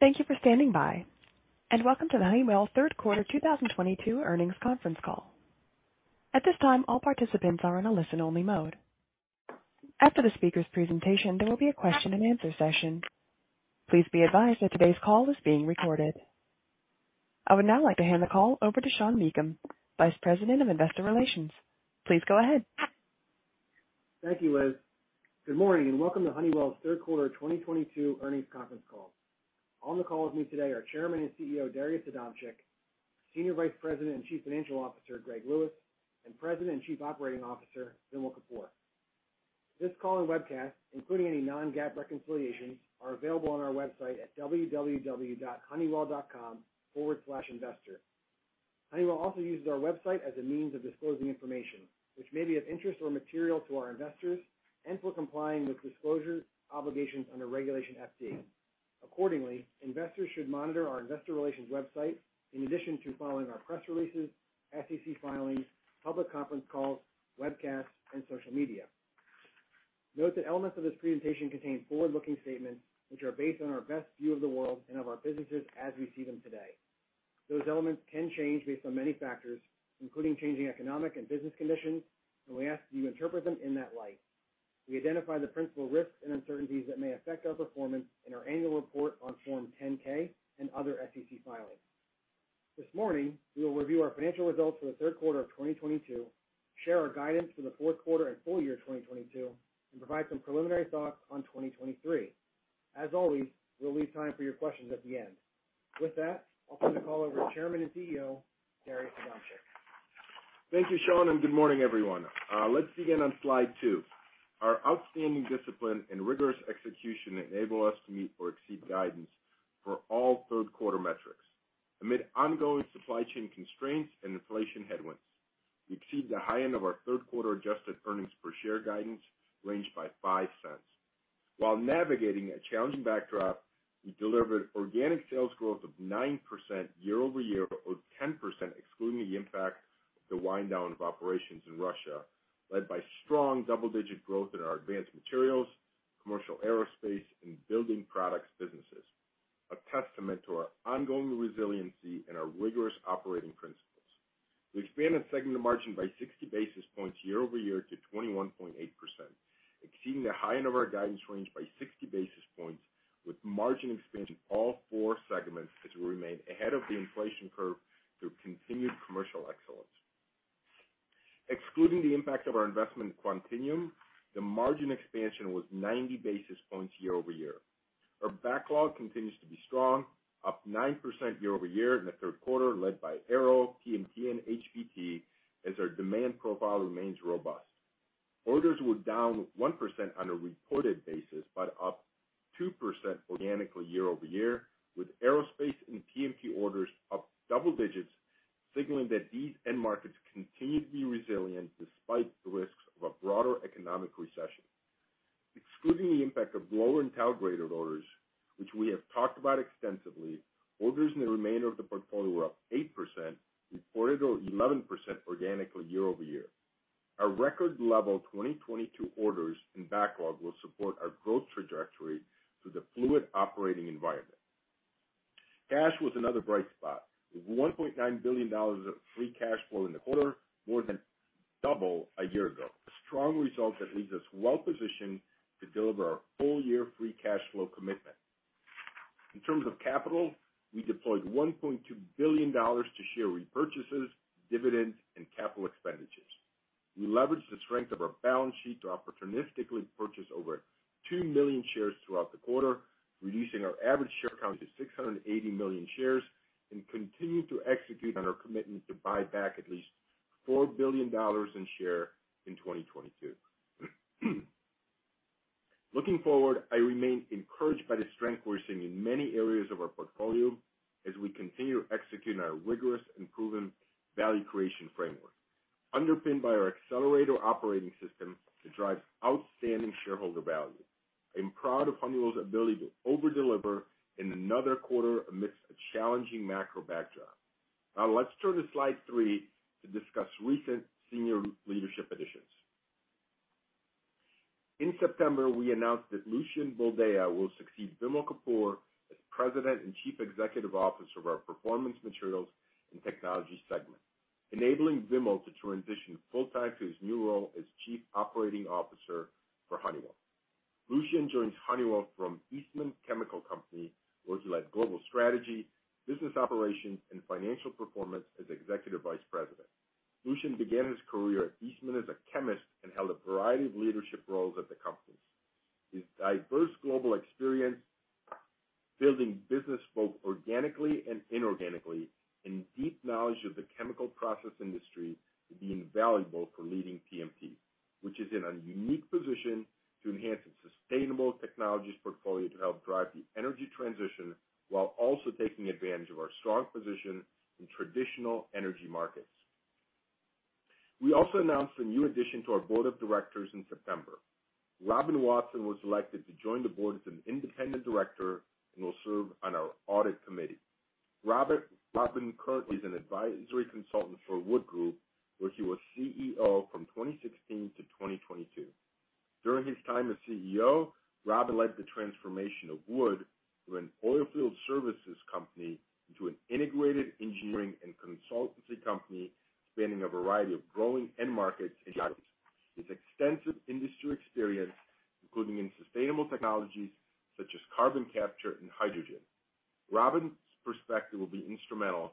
Thank you for standing by. And welcome to the Honeywell third quarter 2022 earnings conference call. At this time, all participants are in a listen-only mode. After the speaker's presentation, there will be a question-and-answer session. Please be advised that today's call is being recorded. I would now like to hand the call over to Sean Meakim, Vice President of Investor Relations. Please go ahead. Thank you, Liz. Good morning and welcome to Honeywell's third quarter 2022 earnings conference call. On the call with me today are Chairman and CEO, Darius Adamczyk, Senior Vice President and Chief Financial Officer, Greg Lewis, and President and Chief Operating Officer, Vimal Kapur. This call and webcast, including any non-GAAP reconciliations, are available on our website at www.honeywell.com/investor. Honeywell also uses our website as a means of disclosing information which may be of interest or material to our investors and for complying with disclosure obligations under Regulation FD. Accordingly, investors should monitor our investor relations website in addition to following our press releases, SEC filings, public conference calls, webcasts, and social media. Note that elements of this presentation contain forward-looking statements, which are based on our best view of the world and of our businesses as we see them today. Those elements can change based on many factors, including changing economic and business conditions, and we ask that you interpret them in that light. We identify the principal risks and uncertainties that may affect our performance in our annual report on Form 10-K and other SEC filings. This morning, we will review our financial results for the third quarter of 2022, share our guidance for the fourth quarter and full year 2022, and provide some preliminary thoughts on 2023. As always, we'll leave time for your questions at the end. With that, I'll turn the call over to Chairman and CEO, Darius Adamczyk. Thank you, Sean, and good morning, everyone. Let's begin on slide two. Our outstanding discipline and rigorous execution enable us to meet or exceed guidance for all third quarter metrics amid ongoing supply chain constraints and inflation headwinds. We exceed the high end of our third quarter adjusted earnings per share guidance range by $0.05. While navigating a challenging backdrop, we delivered organic sales growth of 9% year-over-year, or 10% excluding the impact of the wind down of operations in Russia, led by strong double-digit growth in our advanced materials, commercial aerospace, and building products businesses, a testament to our ongoing resiliency and our rigorous operating principles. We expanded segment margin by 60 basis points year-over-year to 21.8%, exceeding the high end of our guidance range by 60 basis points, with margin expansion in all four segments as we remain ahead of the inflation curve through continued commercial excellence. Excluding the impact of our investment in Quantinuum, the margin expansion was 90 basis points year-over-year. Our backlog continues to be strong, up 9% year-over-year in the third quarter, led by Aero, PMT, and HBT, as our demand profile remains robust. Orders were down 1% on a reported basis, but up 2% organically year-over-year, with Aerospace and PMT orders up double digits, signaling that these end markets continue to be resilient despite the risks of a broader economic recession. Excluding the impact of lower integrated orders, which we have talked about extensively, orders in the remainder of the portfolio were up 8%, reported 11% organically year-over-year. Our record level 2022 orders and backlog will support our growth trajectory through the fluid operating environment. Cash was another bright spot, with $1.9 billion of free cash flow in the quarter, more than double a year ago, a strong result that leaves us well positioned to deliver our full-year free cash flow commitment. In terms of capital, we deployed $1.2 billion to share repurchases, dividends, and capital expenditures. We leveraged the strength of our balance sheet to opportunistically purchase over 2 million shares throughout the quarter, reducing our average share count to 680 million shares, and continue to execute on our commitment to buy back at least $4 billion in shares in 2022. Looking forward, I remain encouraged by the strength we're seeing in many areas of our portfolio as we continue executing our rigorous and proven value creation framework, underpinned by our accelerator operating system to drive outstanding shareholder value. I'm proud of Honeywell's ability to overdeliver in another quarter amidst a challenging macro backdrop. Now let's turn to slide three to discuss recent senior leadership additions. In September, we announced that Lucian Boldea will succeed Vimal Kapur as President and Chief Executive Officer of our Performance Materials and Technologies segment, enabling Vimal to transition full-time to his new role as Chief Operating Officer for Honeywell. Lucian joins Honeywell from Eastman Chemical Company, where he led global strategy, business operations, and financial performance as Executive Vice President. Lucian began his career at Eastman as a chemist and held a variety of leadership roles at the company. His diverse global experience building business both organically and inorganically and deep knowledge of the chemical process industry will be invaluable for leading PMT, which is in a unique position to enhance its sustainable technologies portfolio to help drive the energy transition while also taking advantage of our strong position in traditional energy markets. We also announced a new addition to our board of directors in September. Robin Watson was elected to join the board as an independent director and will serve on our audit committee. Robin Watson is an advisory consultant for Wood Group, where he was CEO from 2016 to 2022. During his time as CEO, Robin led the transformation of Wood from an oil field services company into an integrated engineering and consultancy company spanning a variety of growing end markets and items. His extensive industry experience, including in sustainable technologies such as carbon capture and hydrogen. Robin's perspective will be instrumental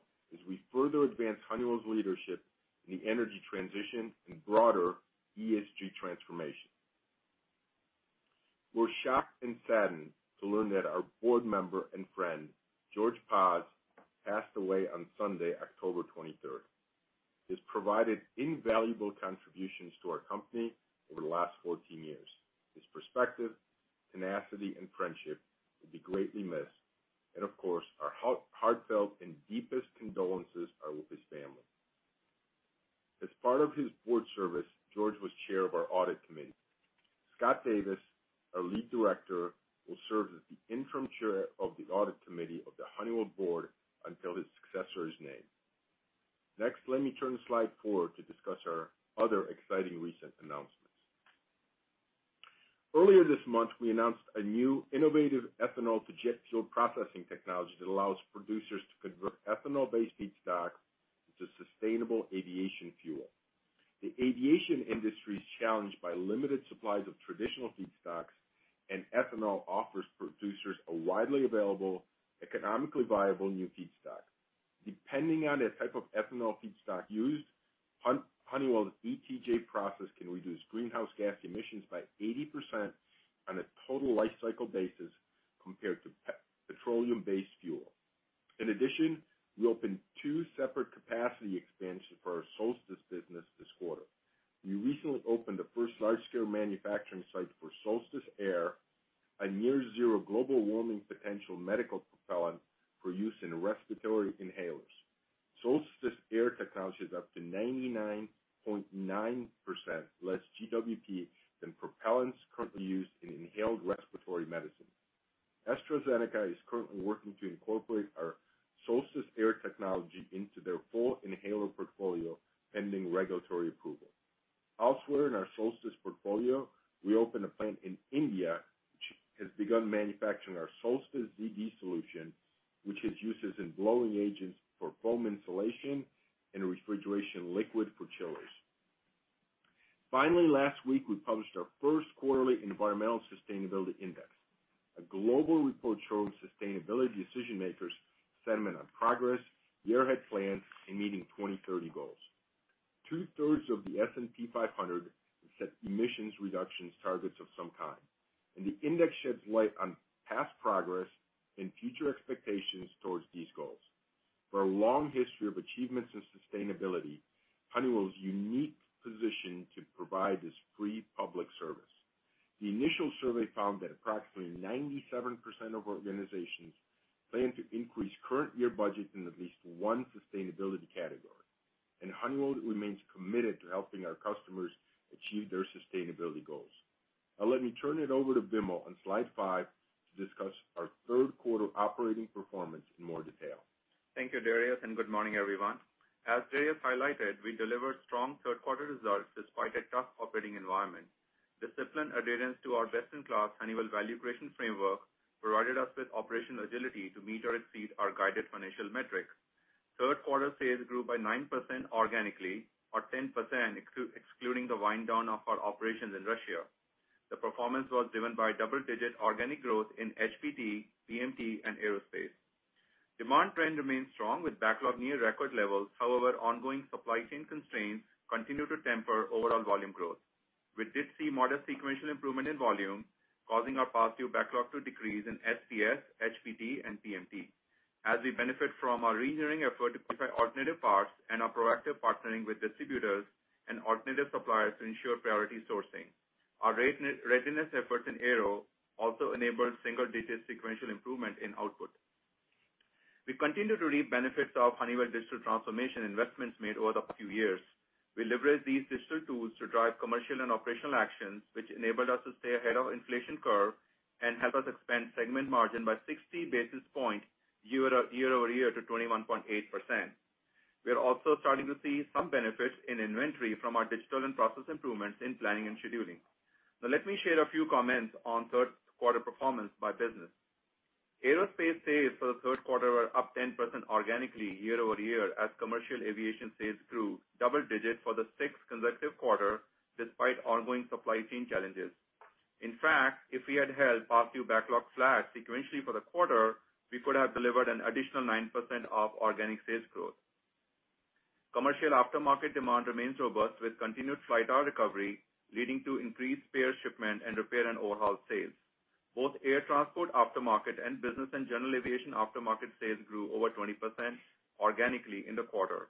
we opened a plant in India which has begun manufacturing our Solstice zd solution, which has uses in blowing agents for foam insulation and refrigeration liquid for chillers. Finally, last week, we published our first quarterly environmental sustainability index. A global report showed sustainability decision-makers' sentiment on progress, year-ahead plans, and meeting 2030 goals. Two-thirds of the S&P 500 set emissions reductions targets of some kind, and the index sheds light on past progress and future expectations towards these goals. For a long history of achievements in sustainability, Honeywell is uniquely positioned to provide this free public service. The initial survey found that approximately 97% of organizations plan to increase current year budget in at least one sustainability category, and Honeywell remains committed to helping our customers achieve their sustainability goals. Now let me turn it over to Vimal on slide 5 to discuss our third quarter operating performance in more detail. Thank you, Darius, and good morning, everyone. As Darius highlighted, we delivered strong third quarter results despite a tough operating environment. Discipline adherence to our best-in-class Honeywell Value Creation framework provided us with operational agility to meet or exceed our guided financial metrics. Third quarter sales grew by 9% organically, or 10% excluding the wind down of our operations in Russia. The performance was driven by double-digit organic growth in HPD, PMT, and Aerospace. Demand trend remains strong with backlog near record levels. However, ongoing supply chain constraints continue to temper overall volume growth. We did see modest sequential improvement in volume, causing our positive backlog to decrease in SPS, HBT, and PMT. As we benefit from our reengineering effort to procure alternative parts and our proactive partnering with distributors and alternative suppliers to ensure priority sourcing. Our readiness efforts in Aero also enabled single-digit sequential improvement in output. We continue to reap benefits of Honeywell digital transformation investments made over the few years. We leverage these digital tools to drive commercial and operational actions, which enabled us to stay ahead of inflation curve and help us expand segment margin by 60 basis points year-over-year to 21.8%. We are also starting to see some benefits in inventory from our digital and process improvements in planning and scheduling. Now let me share a few comments on third-quarter performance by business. Aerospace sales for the third quarter were up 10% organically year-over-year, as commercial aviation sales grew double digits for the sixth consecutive quarter despite ongoing supply chain challenges. In fact, if we had held R2 backlog flat sequentially for the quarter, we could have delivered an additional 9% of organic sales growth. Commercial aftermarket demand remains robust with continued flight hour recovery, leading to increased spare shipment and repair and overhaul sales. Both air transport aftermarket and business and general aviation aftermarket sales grew over 20% organically in the quarter.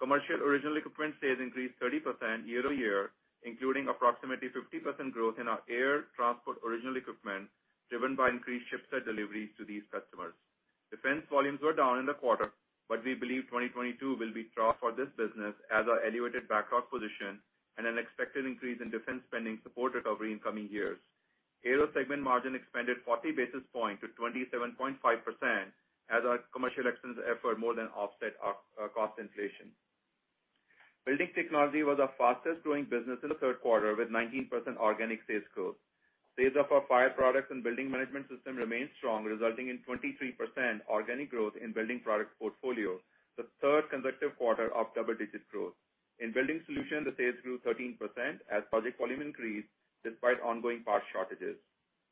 Commercial original equipment sales increased 30% year over year, including approximately 50% growth in our air transport original equipment, driven by increased ship set deliveries to these customers. Defense volumes were down in the quarter, but we believe 2022 will be trough for this business as our elevated backlog position and an expected increase in defense spending support recovery in coming years. Aero segment margin expanded 40 basis points to 27.5% as our commercial excellence effort more than offset our cost inflation. Building Technology was our fastest growing business in the third quarter with 19% organic sales growth. Sales of our fire products and building management system remained strong, resulting in 23% organic growth in building product portfolio, the third consecutive quarter of double-digit growth. In building solutions, the sales grew 13% as project volume increased despite ongoing parts shortages.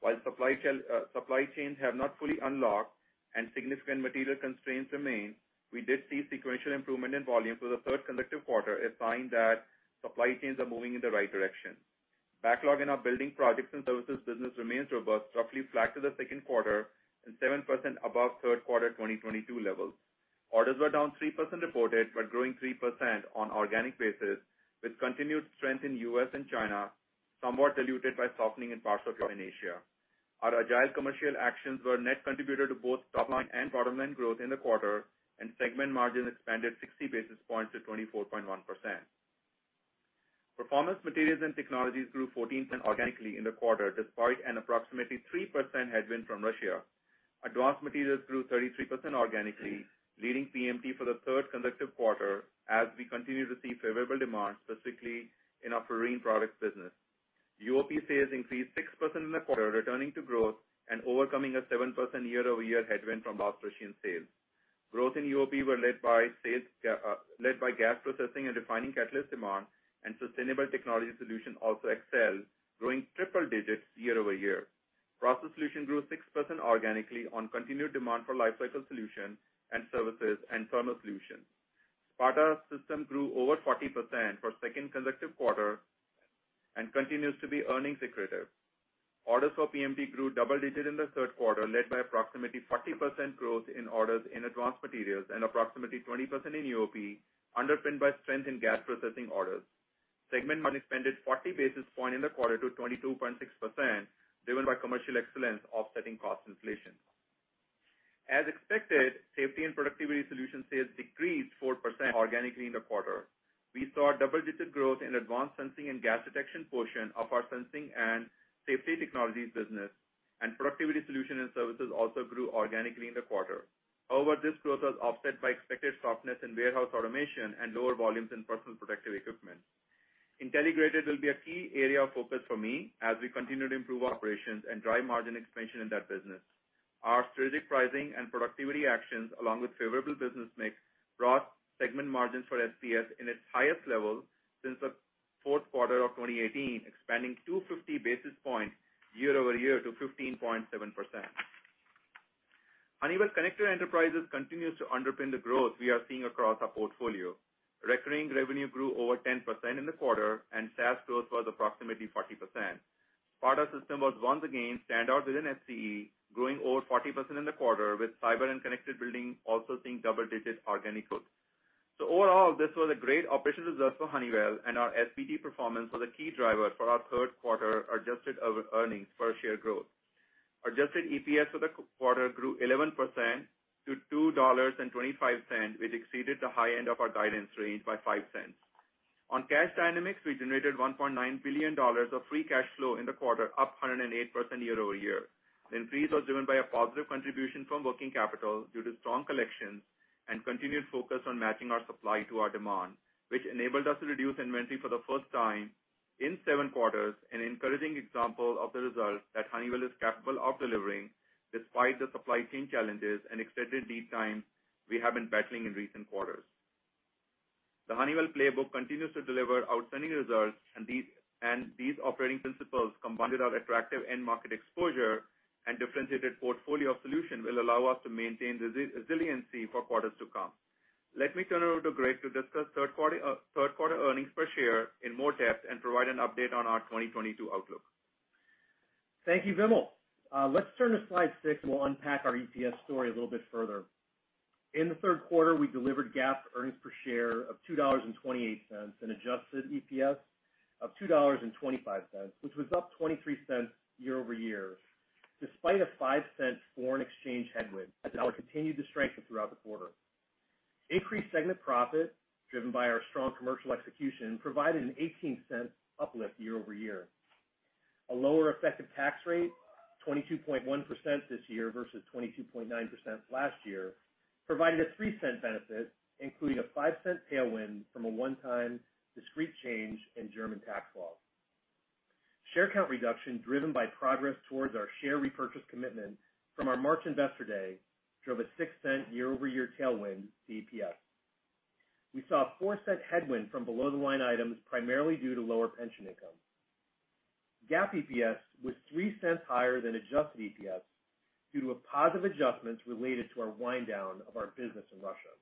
While supply chains have not fully unlocked and significant material constraints remain, we did see sequential improvement in volume for the third consecutive quarter, a sign that supply chains are moving in the right direction. Backlog in our building projects and services business remains robust, roughly flat to the second quarter and 7% above third quarter 2022 levels. Orders were down 3% reported, but growing 3% on organic basis, with continued strength in U.S. and China, somewhat diluted by softening in parts of Europe and Asia. Our agile commercial actions were net contributor to both top line and bottom line growth in the quarter and segment margin expanded 60 basis points to 24.1%. Performance Materials & Technologies grew 14% organically in the quarter, despite an approximately 3% headwind from Russia. Advanced materials grew 33% organically, leading PMT for the third consecutive quarter as we continue to see favorable demand, specifically in our fluorine products business. UOP sales increased 6% in the quarter, returning to growth and overcoming a 7% year-over-year headwind from lost Russian sales. Growth in UOP were led by gas processing and refining catalyst demand, and sustainable technology solution also excelled, growing triple digits year over year. Process Solutions grew 6% organically on continued demand for lifecycle solutions and services and thermal solutions. Sparta Systems grew over 40% for second consecutive quarter and continues to be earnings accretive. Orders for PMT grew double digits in the third quarter, led by approximately 40% growth in orders in advanced materials and approximately 20% in UOP, underpinned by strength in gas processing orders. Segment margin expanded 40 basis points in the quarter to 22.6%, driven by commercial excellence offsetting cost inflation. As expected, Safety and Productivity Solutions sales decreased 4% organically in the quarter. We saw double-digit growth in advanced sensing and gas detection portion of our sensing and safety technologies business, and productivity solutions and services also grew organically in the quarter. However, this growth was offset by expected softness in warehouse automation and lower volumes in personal protective equipment. Intelligrated will be a key area of focus for me as we continue to improve operations and drive margin expansion in that business. Our strategic pricing and productivity actions, along with favorable business mix, brought segment margins for SPS to its highest level since the fourth quarter of 2018, expanding 250 basis points year-over-year to 15.7%. Honeywell Connected Enterprise continues to underpin the growth we are seeing across our portfolio. Recurring revenue grew over 10% in the quarter, and SaaS growth was approximately 40%. Sparta Systems was once again standout within HCE, growing over 40% in the quarter, with cyber and connected building also seeing double-digit organic growth. Overall, this was a great operational result for Honeywell, and our SPS performance was a key driver for our third quarter adjusted earnings per share growth. Adjusted EPS for the quarter grew 11% to $2.25, which exceeded the high end of our guidance range by $0.05. On cash dynamics, we generated $1.9 billion of free cash flow in the quarter, up 108% year-over-year. The increase was driven by a positive contribution from working capital due to strong collections and continued focus on matching our supply to our demand, which enabled us to reduce inventory for the first time in seven quarters, an encouraging example of the results that Honeywell is capable of delivering despite the supply chain challenges and extended lead time we have been battling in recent quarters. The Honeywell playbook continues to deliver outstanding results, and these operating principles, combined with our attractive end market exposure and differentiated portfolio of solution, will allow us to maintain resiliency for quarters to come. Let me turn it over to Greg to discuss third quarter earnings per share in more depth and provide an update on our 2022 outlook. Thank you, Vimal. Let's turn to slide 6, and we'll unpack our EPS story a little bit further. In the third quarter, we delivered GAAP earnings per share of $2.28 and adjusted EPS of $2.25, which was up $0.23 year-over-year, despite a $0.05 foreign exchange headwind as the dollar continued to strengthen throughout the quarter. Increased segment profit, driven by our strong commercial execution, provided an $0.18 uplift year-over-year. A lower effective tax rate, 22.1% this year versus 22.9% last year, provided a $0.03 benefit, including a $0.05 tailwind from a one-time discrete change in German tax law. Share count reduction driven by progress towards our share repurchase commitment from our March investor day drove a $0.06 year-over-year tailwind to EPS. We saw a $0.04 headwind from below-the-line items, primarily due to lower pension income. GAAP EPS was $0.03 higher than adjusted EPS due to positive adjustments related to our wind down of our business in Russia.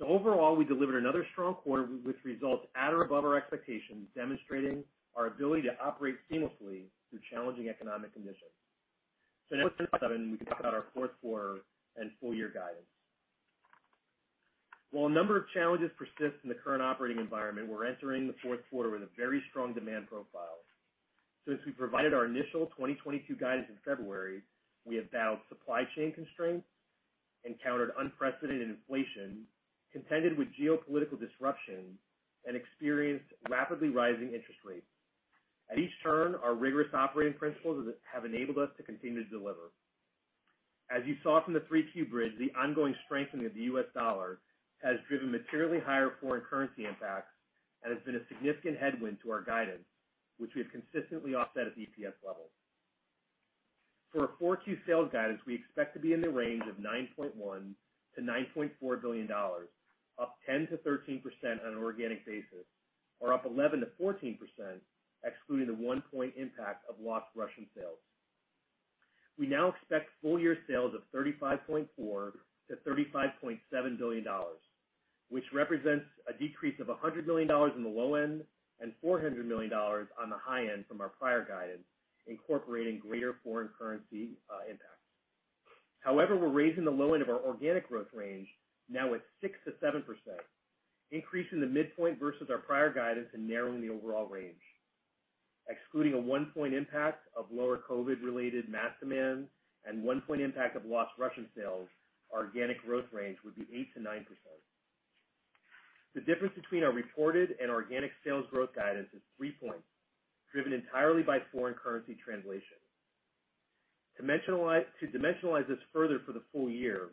Overall, we delivered another strong quarter with results at or above our expectations, demonstrating our ability to operate seamlessly through challenging economic conditions. Now to slide 7, we can talk about our fourth quarter and full year guidance. While a number of challenges persist in the current operating environment, we're entering the fourth quarter with a very strong demand profile. Since we provided our initial 2022 guidance in February, we have faced supply chain constraints, encountered unprecedented inflation, contended with geopolitical disruption, and experienced rapidly rising interest rates. At each turn, our rigorous operating principles have enabled us to continue to deliver. As you saw from the three-tier bridge, the ongoing strengthening of the U.S. dollar has driven materially higher foreign currency impacts and has been a significant headwind to our guidance, which we have consistently offset at EPS levels. For our Q2 sales guidance, we expect to be in the range of $9.1 billion-$9.4 billion, up 10%-13% on an organic basis, or up 11%-14% excluding the 1-point impact of lost Russian sales. We now expect full year sales of $35.4 billion-$35.7 billion, which represents a decrease of $100 million on the low end and $400 million on the high end from our prior guidance, incorporating greater foreign currency impact. However, we're raising the low end of our organic growth range now at 6%-7%, increasing the midpoint versus our prior guidance and narrowing the overall range. Excluding a 1-point impact of lower COVID-related mask demand and 1-point impact of lost Russian sales, our organic growth range would be 8%-9%. The difference between our reported and organic sales growth guidance is 3 points, driven entirely by foreign currency translation. To dimensionalize this further for the full year,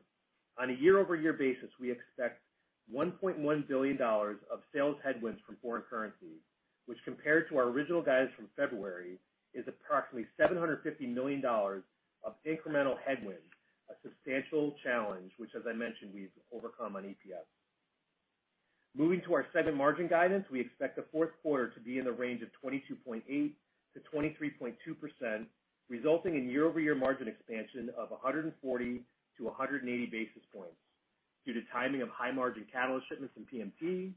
on a year-over-year basis, we expect $1.1 billion of sales headwinds from foreign currency, which compared to our original guidance from February, is approximately $750 million of incremental headwind, a substantial challenge, which, as I mentioned, we've overcome on EPS. Moving to our segment margin guidance, we expect the fourth quarter to be in the range of 22.8%-23.2%, resulting in year-over-year margin expansion of 140-180 basis points due to timing of high margin catalyst shipments in PMT,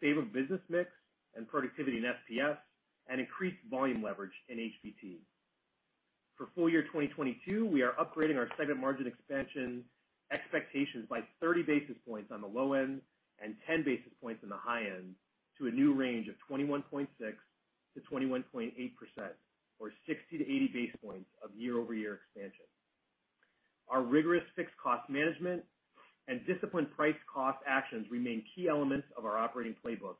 favorable business mix and productivity in SPS, and increased volume leverage in HBT. For full year 2022, we are upgrading our segment margin expansion expectations by 30 basis points on the low end and 10 basis points on the high end to a new range of 21.6%-21.8% or 60-80 basis points of year-over-year expansion. Our rigorous fixed cost management and disciplined price cost actions remain key elements of our operating playbook,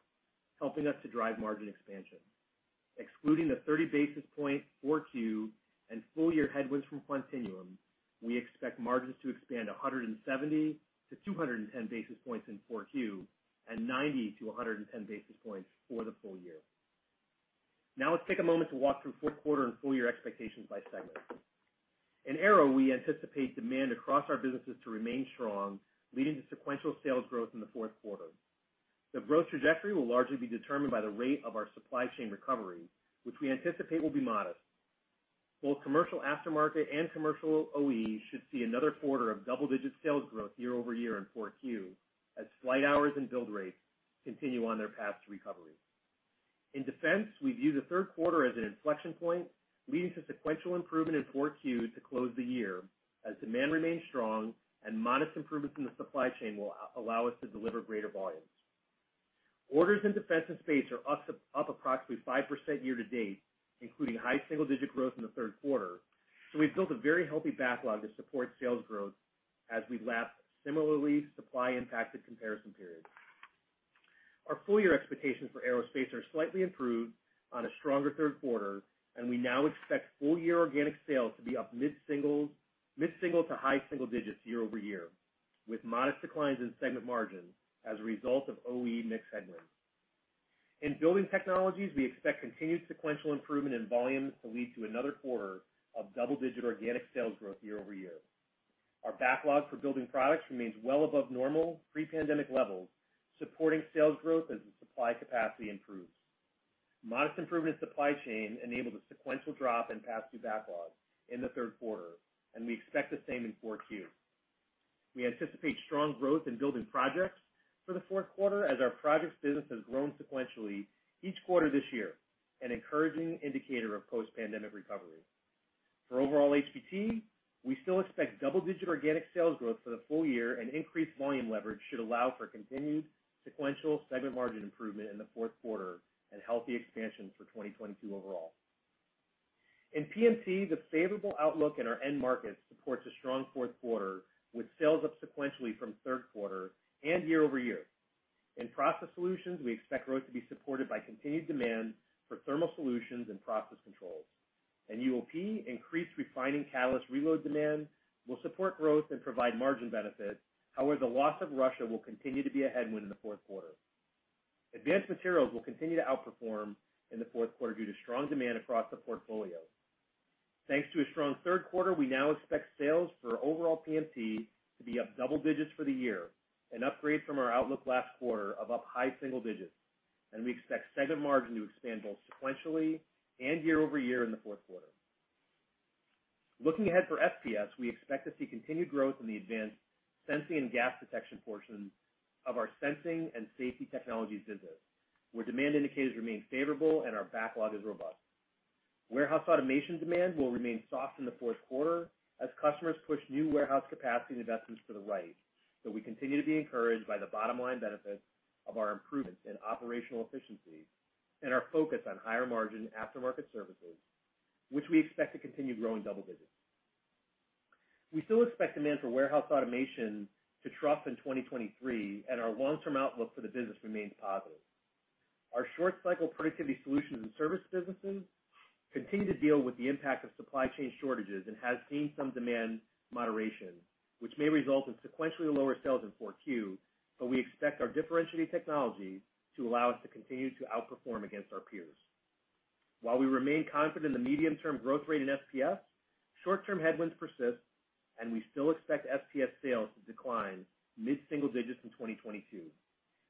helping us to drive margin expansion. Excluding the 30 basis points 4Q and full year headwinds from Quantinuum, we expect margins to expand 170-210 basis points in 4Q and 90-110 basis points for the full year. Now let's take a moment to walk through fourth quarter and full year expectations by segment. In Aero, we anticipate demand across our businesses to remain strong, leading to sequential sales growth in the fourth quarter. The growth trajectory will largely be determined by the rate of our supply chain recovery, which we anticipate will be modest. Both commercial aftermarket and commercial OE should see another quarter of double-digit sales growth year-over-year in 4Q as flight hours and build rates continue on their path to recovery. In Defense, we view the third quarter as an inflection point, leading to sequential improvement in Q4 to close the year as demand remains strong and modest improvements in the supply chain will allow us to deliver greater volumes. Orders in Defense and Space are up approximately 5% year to date, including high single-digit growth in the third quarter, so we've built a very healthy backlog to support sales growth as we lap similarly supply impacted comparison periods. Our full year expectations for Aerospace are slightly improved on a stronger third quarter, and we now expect full year organic sales to be up mid-single to high single digits year-over-year, with modest declines in segment margins as a result of OE mix headwinds. In Building Technologies, we expect continued sequential improvement in volume to lead to another quarter of double-digit organic sales growth year-over-year. Our backlog for building products remains well above normal pre-pandemic levels, supporting sales growth as the supply capacity improves. Modest improvement in supply chain enabled a sequential drop in pass-through backlog in the third quarter, and we expect the same in Q4. We anticipate strong growth in building projects for the fourth quarter as our projects business has grown sequentially each quarter this year, an encouraging indicator of post-pandemic recovery. For overall HBT, we still expect double-digit organic sales growth for the full year and increased volume leverage should allow for continued sequential segment margin improvement in the fourth quarter and healthy expansion for 2022 overall. In PMT, the favorable outlook in our end markets supports a strong fourth quarter with sales up sequentially from third quarter and year over year. In process solutions, we expect growth to be supported by continued demand for thermal solutions and process controls. In UOP, increased refining catalyst reload demand will support growth and provide margin benefits. However, the loss of Russia will continue to be a headwind in the fourth quarter. Advanced materials will continue to outperform in the fourth quarter due to strong demand across the portfolio. Thanks to a strong third quarter, we now expect sales for overall PMT to be up double digits for the year, an upgrade from our outlook last quarter of up high single digits. We expect segment margin to expand both sequentially and year over year in the fourth quarter. Looking ahead for SPS, we expect to see continued growth in the advanced sensing and gas detection portion of our sensing and safety technologies business, where demand indicators remain favorable and our backlog is robust. Warehouse automation demand will remain soft in the fourth quarter as customers push out new warehouse capacity and investments, but we continue to be encouraged by the bottom line benefits of our improvements in operational efficiency and our focus on higher margin aftermarket services, which we expect to continue growing double digits. We still expect demand for warehouse automation to trough in 2023, and our long-term outlook for the business remains positive. Our short cycle productivity solutions and service businesses continue to deal with the impact of supply chain shortages and has seen some demand moderation, which may result in sequentially lower sales in Q4, but we expect our differentiated technologies to allow us to continue to outperform against our peers. While we remain confident in the medium term growth rate in SPS, short-term headwinds persist and we still expect SPS sales to decline mid-single digits in 2022.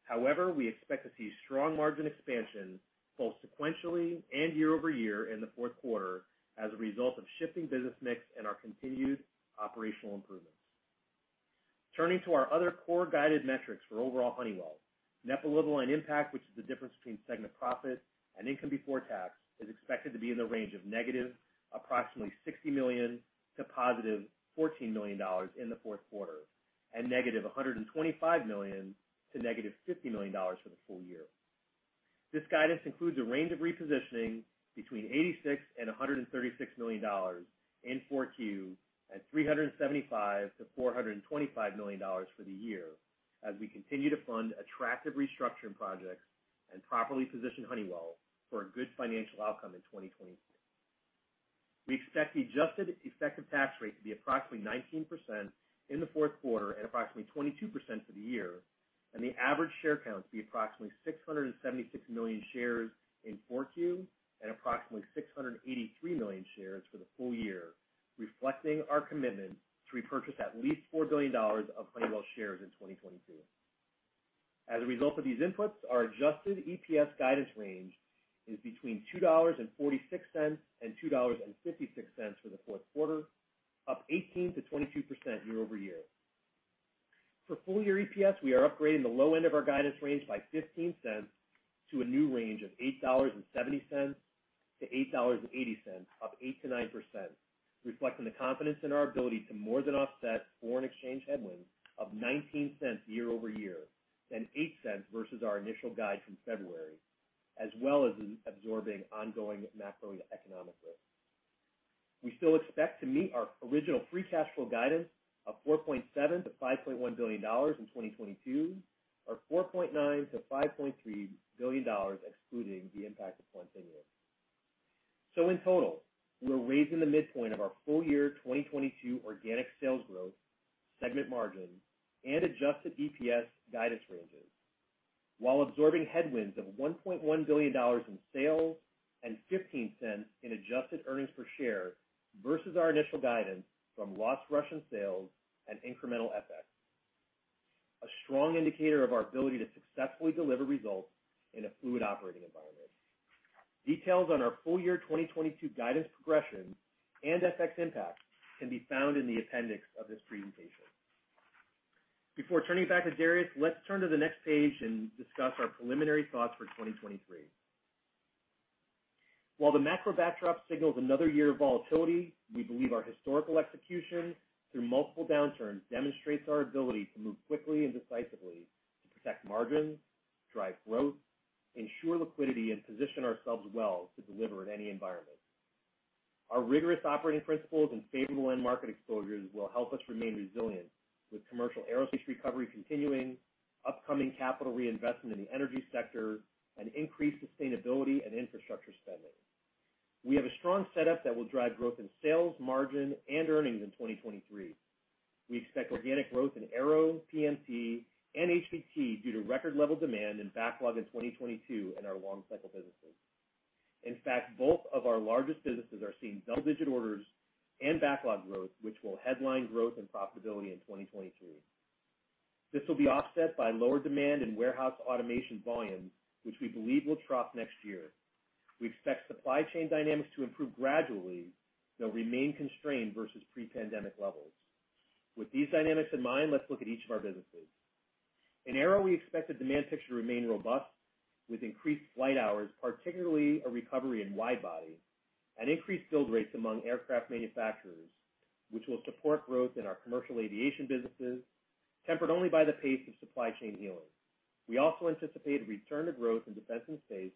However, we expect to see strong margin expansion both sequentially and year-over-year in the fourth quarter as a result of shifting business mix and our continued operational improvements. Turning to our other core guided metrics for overall Honeywell, net pension impact, which is the difference between segment profit and income before tax, is expected to be in the range of approximately -$60 million to +$14 million in the fourth quarter, and -$125 million to -$50 million for the full year. This guidance includes a range of repositioning between $86 million and $136 million in 4Q, and $375 million-$425 million for the year as we continue to fund attractive restructuring projects and properly position Honeywell for a good financial outcome in 2023. We expect the adjusted effective tax rate to be approximately 19% in the fourth quarter at approximately 22% for the year, and the average share count to be approximately 676 million shares in Q4, and approximately 683 million shares for the full year, reflecting our commitment to repurchase at least $4 billion of Honeywell shares in 2022. As a result of these inputs, our adjusted EPS guidance range is between $2.46 and $2.56 for the fourth quarter, up 18%-22% year-over-year. For full year EPS, we are upgrading the low end of our guidance range by $0.15 to a new range of $8.70-$8.80, up 8%-9%, reflecting the confidence in our ability to more than offset foreign exchange headwinds of $0.19 year-over-year, and $0.08 versus our initial guide from February, as well as absorbing ongoing macroeconomic risk. We still expect to meet our original free cash flow guidance of $4.7 billion-$5.1 billion in 2022, or $4.9 billion-$5.3 billion excluding the impact of Quantinuum. In total, we're raising the midpoint of our full year 2022 organic sales growth segment margin and adjusted EPS guidance ranges while absorbing headwinds of $1.1 billion in sales and $0.15 in adjusted earnings per share versus our initial guidance from lost Russian sales and incremental FX. A strong indicator of our ability to successfully deliver results in a fluid operating environment. Details on our full year 2022 guidance progression and FX impact can be found in the appendix of this presentation. Before turning it back to Darius, let's turn to the next page and discuss our preliminary thoughts for 2023. While the macro backdrop signals another year of volatility, we believe our historical execution through multiple downturns demonstrates our ability to move quickly and decisively to protect margins, drive growth, ensure liquidity, and position ourselves well to deliver in any environment. Our rigorous operating principles and favorable end market exposures will help us remain resilient with commercial aerospace recovery continuing, upcoming capital reinvestment in the energy sector, and increased sustainability and infrastructure spending. We have a strong setup that will drive growth in sales, margin, and earnings in 2023. We expect organic growth in Aero, PMT, and HBT due to record level demand and backlog in 2022 in our long cycle businesses. In fact, both of our largest businesses are seeing double-digit orders and backlog growth, which will headline growth and profitability in 2023. This will be offset by lower demand and warehouse automation volumes, which we believe will trough next year. We expect supply chain dynamics to improve gradually, though remain constrained versus pre-pandemic levels. With these dynamics in mind, let's look at each of our businesses. In Aero, we expect the demand picture to remain robust with increased flight hours, particularly a recovery in wide body and increased build rates among aircraft manufacturers, which will support growth in our commercial aviation businesses, tempered only by the pace of supply chain healing. We also anticipate a return to growth in defense and space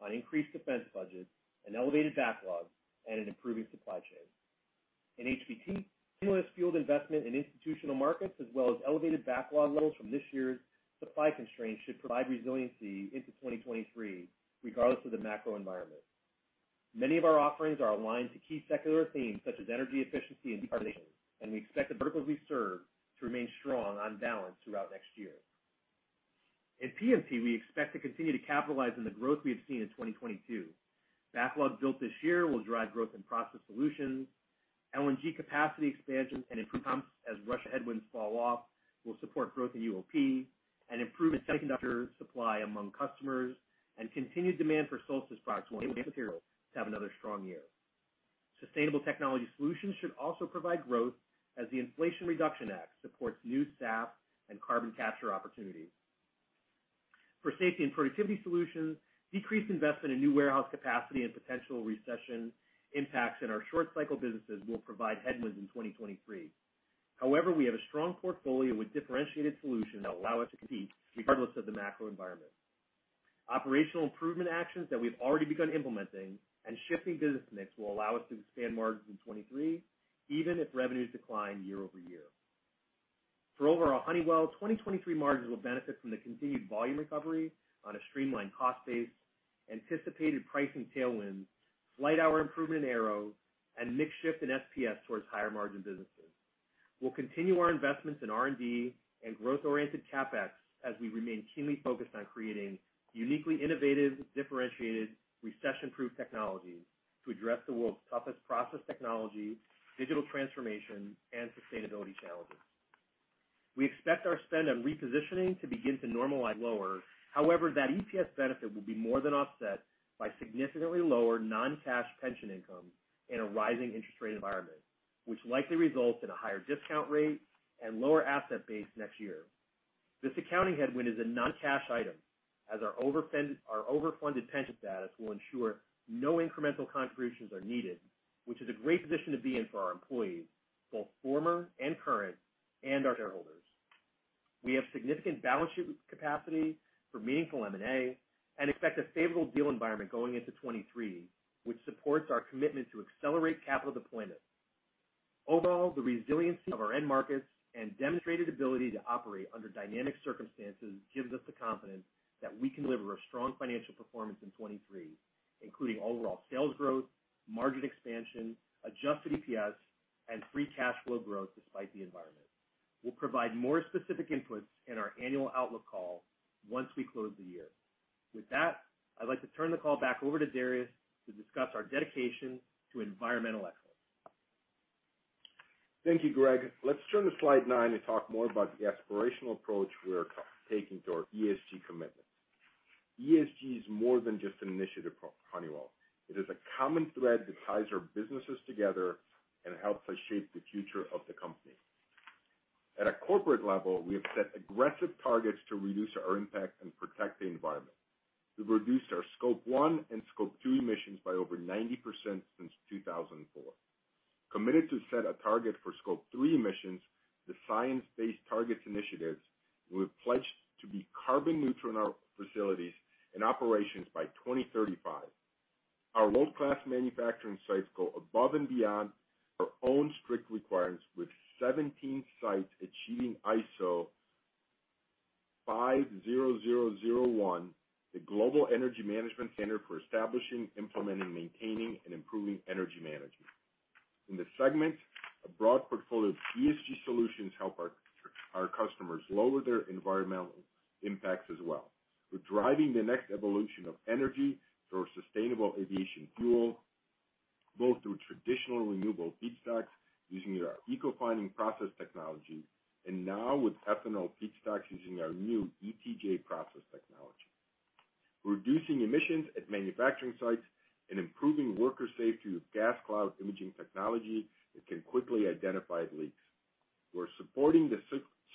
on increased defense budgets and elevated backlogs and an improving supply chain. In HBT, stimulus-fueled investment in institutional markets as well as elevated backlog levels from this year's supply constraints should provide resiliency into 2023, regardless of the macro environment. Many of our offerings are aligned to key secular themes such as energy efficiency and decarbonization, and we expect the verticals we serve to remain strong on balance throughout next year. In PMT, we expect to continue to capitalize on the growth we have seen in 2022. Backlog built this year will drive growth in process solutions, LNG capacity expansion and improved comps as Russia headwinds fall off will support growth in UOP and improvement in semiconductor supply among customers, and continued demand for Solstice products will enable materials to have another strong year. Sustainable technology solutions should also provide growth as the Inflation Reduction Act supports new SAF and carbon capture opportunities. For Safety and Productivity Solutions, decreased investment in new warehouse capacity and potential recession impacts in our short cycle businesses will provide headwinds in 2023. However, we have a strong portfolio with differentiated solutions that allow us to compete regardless of the macro environment. Operational improvement actions that we've already begun implementing and shifting business mix will allow us to expand margins in 2023, even if revenues decline year-over-year. For overall Honeywell, 2023 margins will benefit from the continued volume recovery on a streamlined cost base, anticipated pricing tailwinds, flight hour improvement in Aero and mix shift in SPS towards higher margin businesses. We'll continue our investments in R&D and growth-oriented CapEx as we remain keenly focused on creating uniquely innovative, differentiated, recession-proof technologies to address the world's toughest process technology, digital transformation, and sustainability challenges. We expect our spend on repositioning to begin to normalize lower. However, that EPS benefit will be more than offset by significantly lower non-cash pension income in a rising interest rate environment, which likely results in a higher discount rate and lower asset base next year. This accounting headwind is a non-cash item, as our overfunded pension status will ensure no incremental contributions are needed, which is a great position to be in for our employees, both former and current, and our shareholders. We have significant balance sheet capacity for meaningful M&A and expect a favorable deal environment going into 2023, which supports our commitment to accelerate capital deployment. Overall, the resiliency of our end markets and demonstrated ability to operate under dynamic circumstances gives us the confidence that we can deliver a strong financial performance in 2023, including overall sales growth, margin expansion, adjusted EPS, and free cash flow growth despite the environment. We'll provide more specific inputs in our annual outlook call once we close the year. With that, I'd like to turn the call back over to Darius to discuss our dedication to environmental excellence. Thank you, Greg. Let's turn to slide 9 and talk more about the aspirational approach we are taking to our ESG commitment. ESG is more than just an initiative for Honeywell. It is a common thread that ties our businesses together and helps us shape the future of the company. At a corporate level, we have set aggressive targets to reduce our impact and protect the environment. We've reduced our Scope 1 and Scope 2 emissions by over 90% since 2004. Committed to set a target for Scope 3 emissions, the Science Based Targets initiative, we have pledged to be carbon neutral in our facilities and operations by 2035. Our world-class manufacturing sites go above and beyond our own strict requirements, with 17 sites achieving ISO 50001, the global energy management standard for establishing, implementing, maintaining, and improving energy management. In the segment, a broad portfolio of ESG solutions help our customers lower their environmental impacts as well. We're driving the next evolution of energy through our sustainable aviation fuel, both through traditional renewable feedstocks using our Ecofining process technology, and now with ethanol feedstocks using our new ETJ process technology. We're reducing emissions at manufacturing sites and improving worker safety with gas cloud imaging technology that can quickly identify leaks. We're supporting the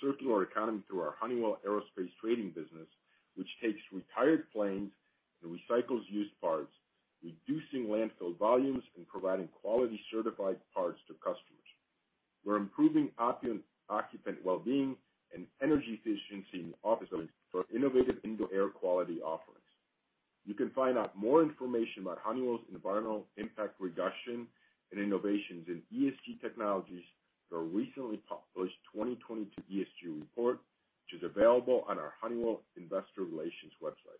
circular economy through our Honeywell Aerospace trading business, which takes retired planes and recycles used parts, reducing landfill volumes and providing quality certified parts to customers. We're improving occupant well-being and energy efficiency in office buildings through our innovative indoor air quality offerings. You can find out more information about Honeywell's environmental impact reduction and innovations in ESG technologies through our recently published 2022 ESG report, which is available on our Honeywell investor relations website.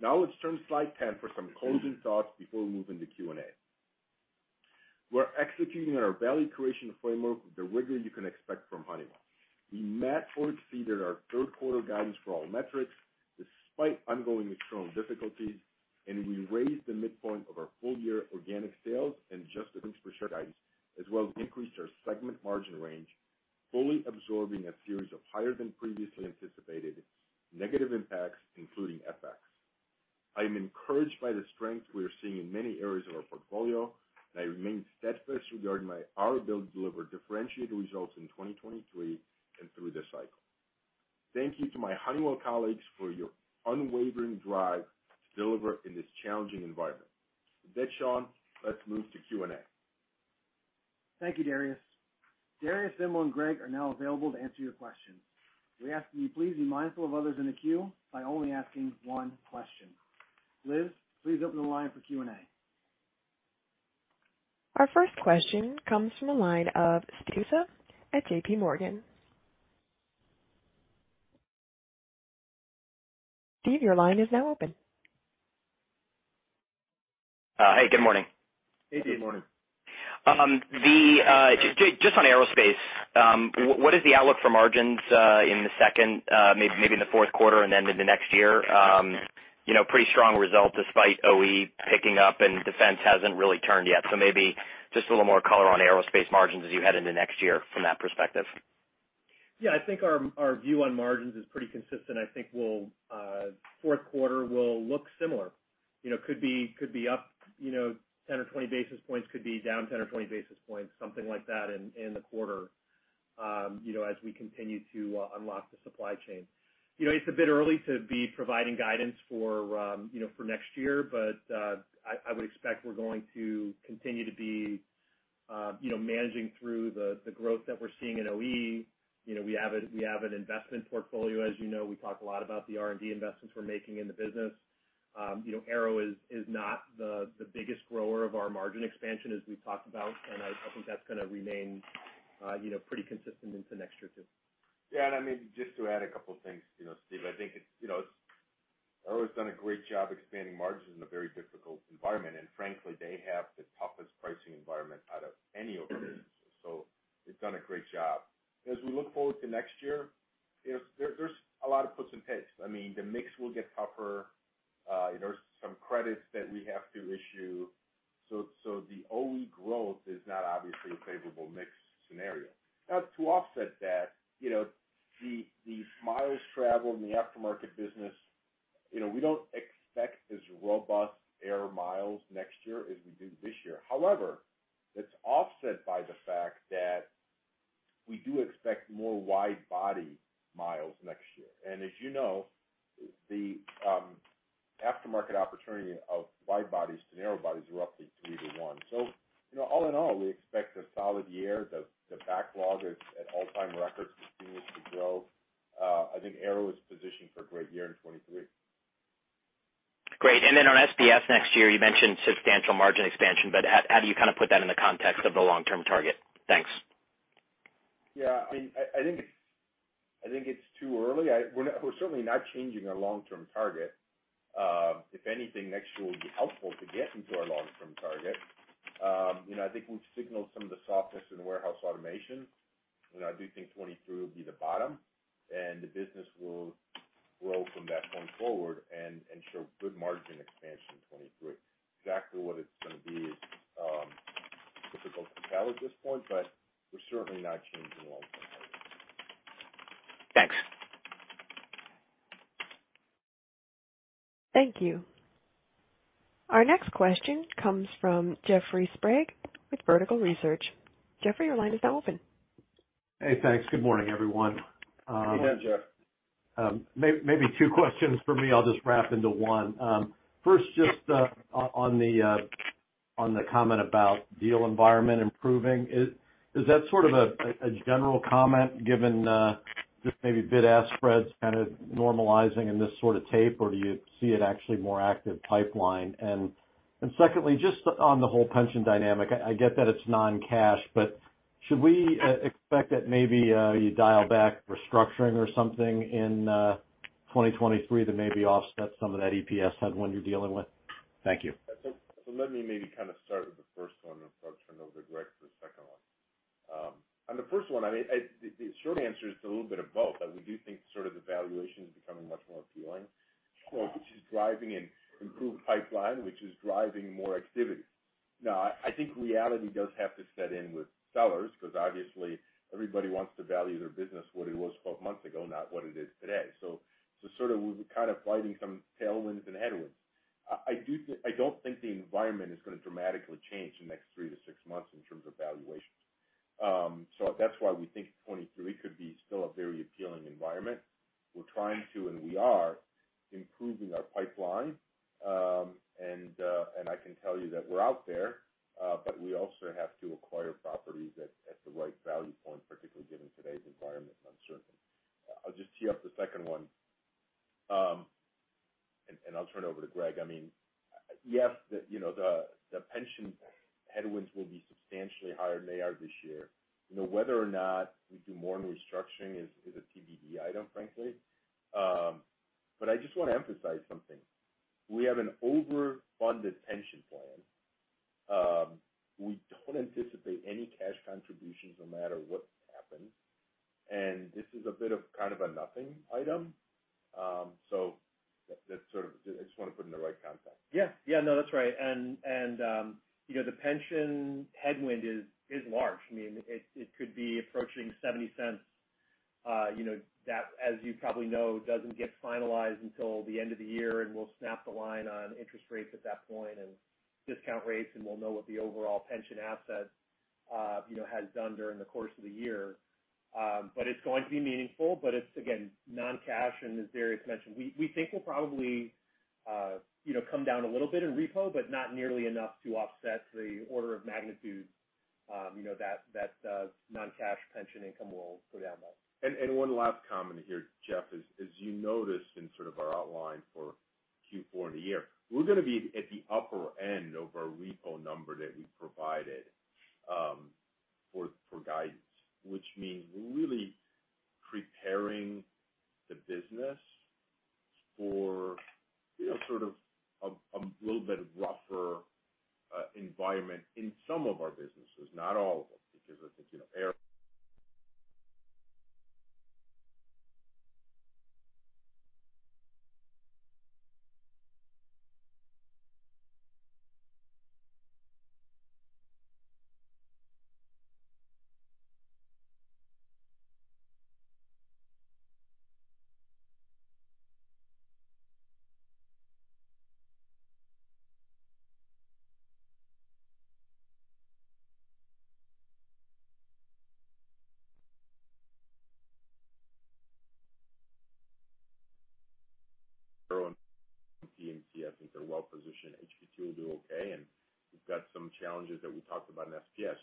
Now let's turn to slide 10 for some closing thoughts before we move into Q&A. We're executing on our value creation framework with the rigor you can expect from Honeywell. We met or exceeded our third quarter guidance for all metrics despite ongoing external difficulties, and we raised the midpoint of our full-year organic sales and adjusted earnings per share guidance, as well as increased our segment margin range, fully absorbing a series of higher than previously anticipated negative impacts, including FX. I am encouraged by the strength we are seeing in many areas of our portfolio, and I remain steadfast regarding my ability to deliver differentiated results in 2023 and through this cycle. Thank you to my Honeywell colleagues for your unwavering drive to deliver in this challenging environment. With that, Sean, let's move to Q&A. Thank you, Darius. Darius, Vimal, and Greg are now available to answer your questions. We ask that you please be mindful of others in the queue by only asking one question. Liz, please open the line for Q&A. Our first question comes from the line of Steve Tusa at JPMorgan. Steve, your line is now open. Hey, good morning. Hey, Steve. Good morning. Just on Aerospace, what is the outlook for margins in the second half, maybe in the fourth quarter and then into next year? You know, pretty strong result despite OE picking up and defense hasn't really turned yet. Maybe just a little more color on Aerospace margins as you head into next year from that perspective. Yeah. I think our view on margins is pretty consistent. I think we'll fourth quarter will look similar. You know, could be up, you know, 10 or 20 basis points, could be down 10 or 20 basis points, something like that in the quarter, as we continue to unlock the supply chain. You know, it's a bit early to be providing guidance for next year, but I would expect we're going to continue to be, you know, managing through the growth that we're seeing in OE. You know, we have an investment portfolio, as you know. We talk a lot about the R&D investments we're making in the business. You know, Aero is not the biggest grower of our margin expansion, as we've talked about, and I think that's gonna remain, you know, pretty consistent into next year, too. Yeah. I mean, just to add a couple things, you know, Steve, I think it's, you know, it's Aero's done a great job expanding margins in a very difficult environment, and frankly, they have the toughest pricing environment out of any of our businesses, so they've done a great job. As we look forward to next year, there's a lot of puts and takes. I mean, the mix will get tougher. There's some credits that we have to issue. So the OE growth is not obviously a favorable mix scenario. Now to offset that, you know, the miles traveled in the aftermarket business, you know, we don't expect as robust air miles next year as we do this year. However, it's offset by the fact that we do expect more wide body miles next year. As you know, the aftermarket opportunity of wide bodies to narrow bodies are roughly 3 to 1. You know, all in all, we expect a solid year. The backlog is at all-time records and continues to grow. I think Aero is positioned for a great year in 2023. Great. On SPS next year, you mentioned substantial margin expansion, but how do you kind of put that in the context of the long-term target? Thanks. Yeah. I mean, I think it's too early. We're certainly not changing our long-term target. If anything, next year will be helpful to get into our long-term target. You know, I think we've signaled some of the softness in warehouse automation, and I do think 2023 will be the bottom, and the business will grow from that point forward and show good margin expansion in 2023. Exactly what it's gonna be is difficult to tell at this point, but we're certainly not changing the long-term target. Thanks. Thank you. Our next question comes from Jeffrey Sprague with Vertical Research. Jeffrey, your line is now open. Hey, thanks. Good morning, everyone. Good day, Jeff. Maybe two questions from me. I'll just wrap into one. First, just on the comment about deal environment improving. Is that sort of a general comment given just maybe bid-ask spreads kind of normalizing in this sort of tape, or do you see an actual more active pipeline? Secondly, just on the whole pension dynamic, I get that it's non-cash, but should we expect that maybe you dial back restructuring or something in 2023 that maybe offsets some of that EPS headwind you're dealing with? Thank you. Let me maybe kind of start with the first one, and I'll turn it over to Greg for the second one. On the first one, I mean, the short answer is it's a little bit of both, that we do think sort of the valuation is becoming much more appealing, which is driving an improved pipeline, which is driving more activity. Now I think reality does have to set in with sellers because obviously everybody wants to value their business what it was 12 months ago, not what it is today. Sort of we're kind of fighting some tailwinds and headwinds. I don't think the environment is gonna dramatically change in the next three to six months in terms of valuations. That's why we think 2023 could be still a very appealing environment. We're trying to, and we are, improving our pipeline. I can tell you that we're out there, but we also have to acquire properties at the right value point, particularly given today's environment of uncertainty. I'll just tee up the second one, and I'll turn it over to Greg. I mean, yes, you know, the pension headwinds will be substantially higher than they are this year. You know, whether or not we do more in restructuring is a TBD item, frankly. I just want to emphasize something. We have an overfunded pension plan. We don't anticipate any cash contributions no matter what happens, and this is a bit of kind of a nothing item. I just want to put it in the right context. Yeah. Yeah, no, that's right. You know, the pension headwind is large. I mean, it could be approaching $0.70. You know, that, as you probably know, doesn't get finalized until the end of the year, and we'll snap the line on interest rates at that point and discount rates, and we'll know what the overall pension asset you know, has done during the course of the year. It's going to be meaningful, but it's again, non-cash, and as Darius mentioned, we think we'll probably you know, come down a little bit in repo, but not nearly enough to offset the order of magnitude you know, that non-cash pension income will go down by. One last comment here, Jeff, as you noticed in sort of our outline for Q4 and the year, we're gonna be at the upper end of our RPO number that we provided for guidance, which means we're really preparing the business for, you know, sort of a little bit rougher environment in some of our businesses, not all of them, because I think, you know, Aero, I think they're well positioned. HBT will do okay, and we've got some challenges that we talked about in SPS.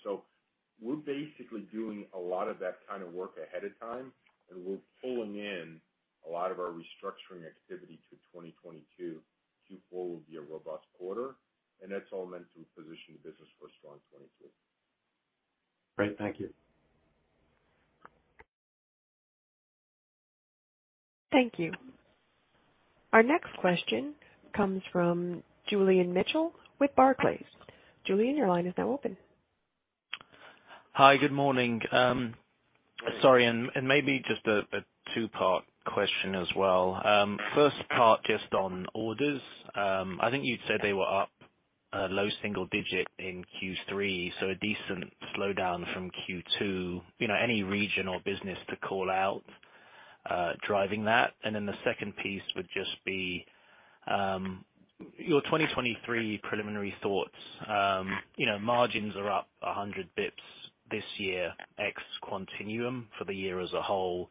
We're basically doing a lot of that kind of work ahead of time, and we're pulling in a lot of our restructuring activity to 2022. Q4 will be a robust quarter, and that's all meant to position the business for a strong 2023. Great. Thank you. Thank you. Our next question comes from Julian Mitchell with Barclays. Julian, your line is now open. Hi, good morning. Sorry, maybe just a two-part question as well. First part just on orders. I think you'd said they were up low single digit in Q3, so a decent slowdown from Q2. You know, any region or business to call out driving that? The second piece would just be your 2023 preliminary thoughts. You know, margins are up 100 basis points this year, ex Quantinuum for the year as a whole.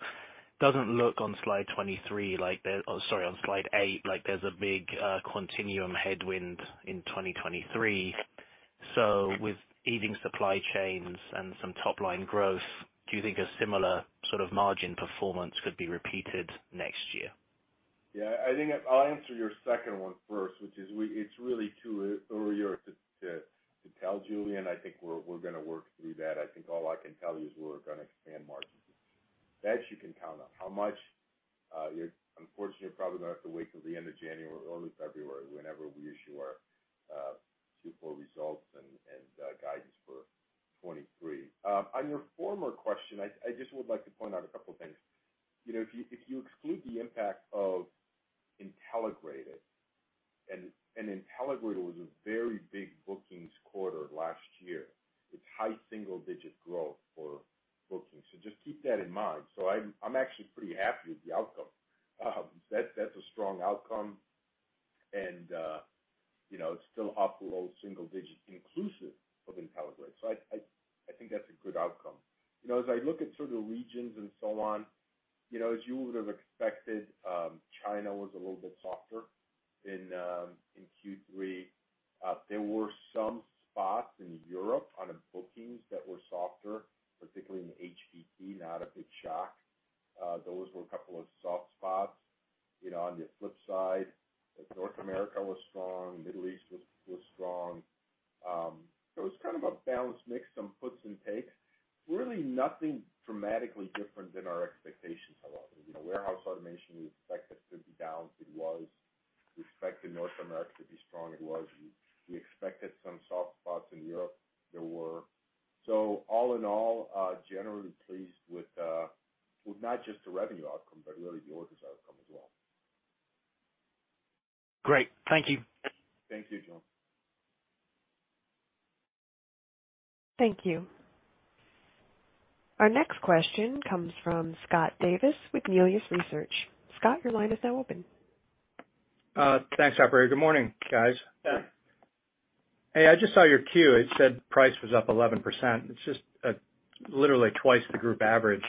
Doesn't look on slide 23 like there or sorry, on slide 8, like there's a big Quantinuum headwind in 2023. With easing supply chains and some top-line growth, do you think a similar sort of margin performance could be repeated next year? Yeah, I think I'll answer your second one first, which is it's really too early to tell, Julian. I think we're gonna work through that. I think all I can tell you is we're gonna expand margins. That you can count on. How much? You're unfortunately probably gonna have to wait till the end of January or early February, whenever we issue our Q4 results and guidance for 2023. On your former question, I just would like to point out a couple things. You know, if you exclude the impact of Intelligrated, and Intelligrated was a very big bookings quarter last year with high single-digit growth for bookings. Just keep that in mind. I'm actually pretty happy with the outcome. That's a strong outcome and you know, it's still up low single digits inclusive of Intelligrated. So I think that's a good outcome. You know, as I look at sort of the regions and so on, you know, as you would've expected, China was a little bit softer in Q3. There were some spots in Europe on bookings that were softer, particularly in HBT, not a big shock. Those were a couple of soft spots. You know, on the flip side, North America was strong, Middle East was strong. So it was kind of a balanced mix, some puts and takes. Really nothing dramatically different than our expectations allowed. You know, warehouse automation, we expected to be down. It was. We expected some soft spots in Europe. There were. All in all, generally pleased with not just the revenue outcome, but really the orders outcome as well. Great. Thank you. Thanks to you, Julian. Thank you. Our next question comes from Scott Davis with Melius Research. Scott, your line is now open. Thanks, operator. Good morning, guys. Yeah. Hey, I just saw your Q. It said price was up 11%. It's just literally twice the group average.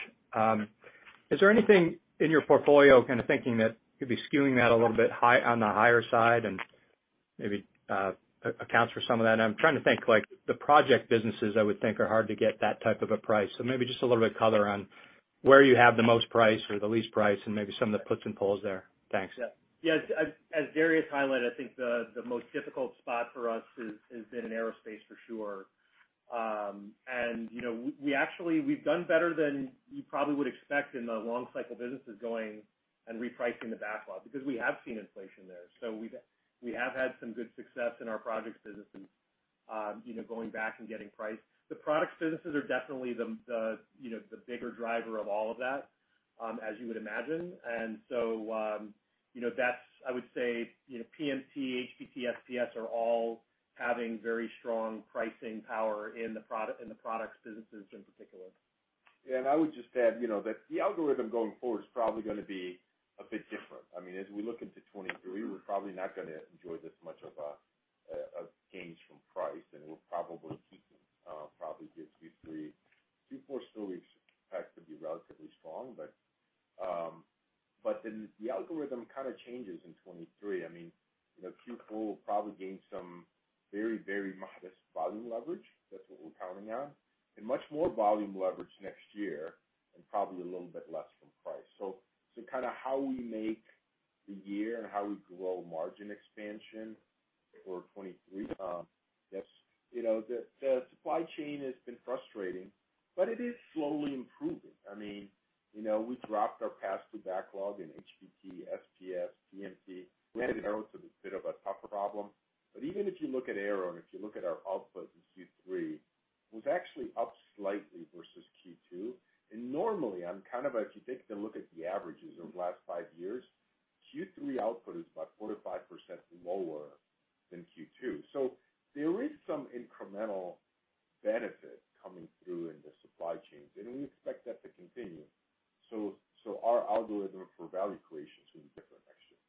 Is there anything in your portfolio kinda thinking that could be skewing that a little bit high on the higher side and maybe accounts for some of that? I'm trying to think, like, the project businesses I would think are hard to get that type of a price. Maybe just a little bit color on where you have the most price or the least price and maybe some of the puts and takes there. Thanks. Yeah. As Darius highlighted, I think the most difficult spot for us has been aerospace for sure. You know, we actually we've done better than you probably would expect in the long cycle businesses going and repricing the backlog because we have seen inflation there. We have had some good success in our projects businesses, you know, going back and getting price. The products businesses are definitely the bigger driver of all of that, as you would imagine. That's, I would say, PMT, HBT, SPS are all having very strong pricing power in the products businesses in particular. I would just add, you know, that the algorithm going forward is probably gonna be a bit different. I mean, as we look into 2023, we're probably not gonna enjoy this much of a gain from price, and we'll probably keep Q3, Q4 still expect to be relatively strong. Then the algorithm kind of changes in 2023. I mean, you know, Q4 will probably gain some very modest volume leverage. That's what we're counting on. Much more volume leverage next year and probably a little bit less from price. Kinda how we make the year and how we grow margin expansion for 2023, that's you know the supply chain has been frustrating, but it is slowly improving. I mean, you know, we dropped our pass through backlog in HBT, SPS, PMT. Aero's a bit of a tougher problem, but even if you look at Aero and if you look at our output in Q3, it was actually up slightly versus Q2. Normally, on kind of a, if you take a look at the averages over the last five years, Q3 output is about 4%-5% lower than Q2. There is some incremental benefit coming through in the supply chains, and we expect that to continue. Our algorithm for value creation is gonna be different next year.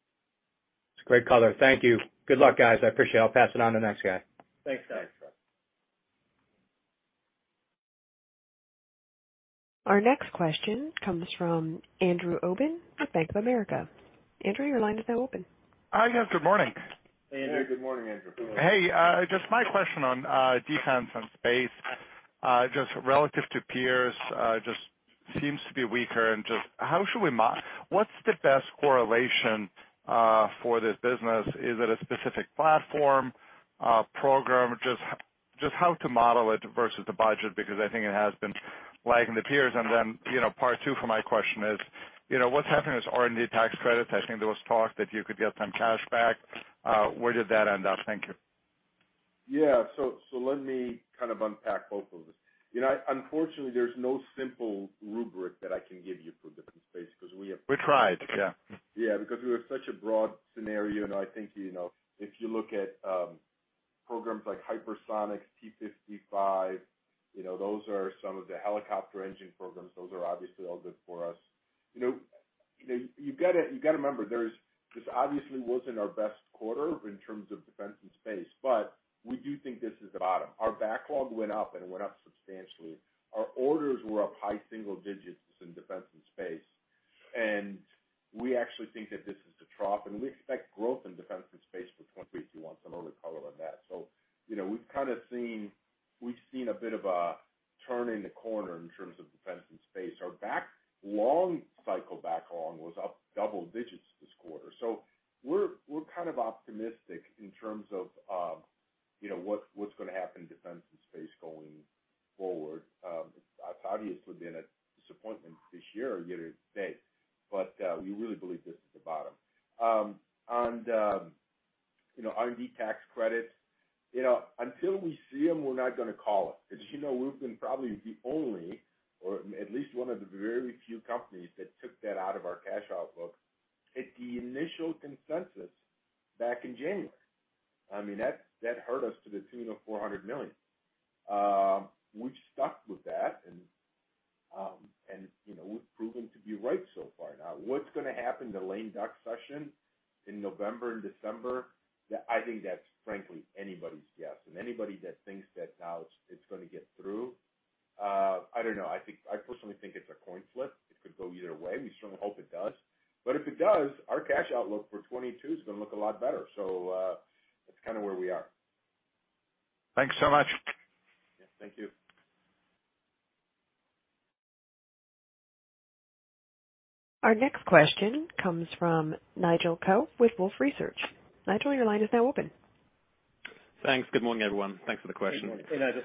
It's a great color. Thank you. Good luck, guys. I appreciate it. I'll pass it on to the next guy. Thanks, Scott. Our next question comes from Andrew Obin of Bank of America. Andrew, your line is now open. Hi. Yes, good morning. Andrew, good morning, Andrew. Hey, just my question on defense and space, just relative to peers, just seems to be weaker and what's the best correlation for this business? Is it a specific platform, program? Just how to model it versus the budget, because I think it has been lagging the peers. Then, you know, part two for my question is, you know, what's happening with R&D tax credits? I think there was talk that you could get some cash back. Where did that end up? Thank you. Yeah. Let me kind of unpack both of those. You know, unfortunately, there's no simple rubric that I can give you for defense and space because we have. We tried, yeah. Yeah, because we have such a broad scenario. I think, you know, if you look at programs like Hypersonic, T55, you know, those are some of the helicopter engine programs. Those are obviously all good for us. You know, you've got to remember, this obviously wasn't our best quarter in terms of defense and space, but we do think this is the bottom. Our backlog went up, and it went up substantially. Our orders were up high single digits in defense and space. And we actually think that this is the trough, and we expect growth in defense and space for 2022, if you want some other color on that. You know, we've kind of seen a bit of a turn the corner in terms of defense and space. Our long-cycle backlog was up double digits this quarter. We're kind of optimistic in terms of, you know, what's gonna happen in defense and space going forward. It's obviously been a disappointment this year, you got to say. We really believe this is the bottom. You know, R&D tax credits, you know, until we see them, we're not gonna call it. As you know, we've been probably the only or at least one of the very few companies that took that out of our cash outlook at the initial consensus back in January. I mean, that hurt us to the tune of $400 million. We've stuck with that. You know, we've proven to be right so far. Now, what's gonna happen in the lame duck session in November and December? I think that's frankly anybody's guess. Anybody that thinks that now it's going to get through, I don't know. I think I personally think it's a coin flip. It could go either way. We certainly hope it does. If it does, our cash outlook for 2022 is gonna look a lot better. That's kind of where we are. Thanks so much. Yeah. Thank you. Our next question comes from Nigel Coe with Wolfe Research. Nigel, your line is now open. Thanks. Good morning, everyone. Thanks for the question. Hey, Nigel.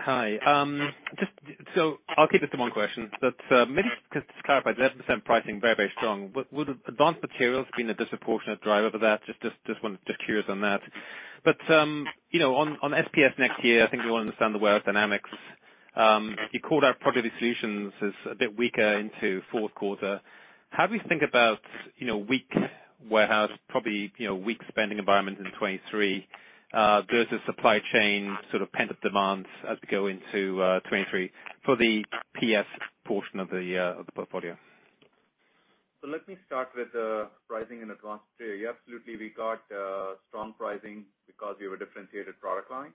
Hi. Just so I'll keep this to one question, but maybe just to clarify, 11% pricing very, very strong. Would the advanced materials have been a disproportionate driver for that? Just curious on that. You know, on SPS next year, I think we all understand the weather dynamics. You called out Productivity Solutions as a bit weaker into fourth quarter. How do we think about, you know, weak warehouse, probably, you know, weak spending environment in 2023 versus supply chain sort of pent-up demand as we go into 2023 for the PS portion of the portfolio? Let me start with pricing in advanced materials. Absolutely, we got strong pricing because we have a differentiated product line,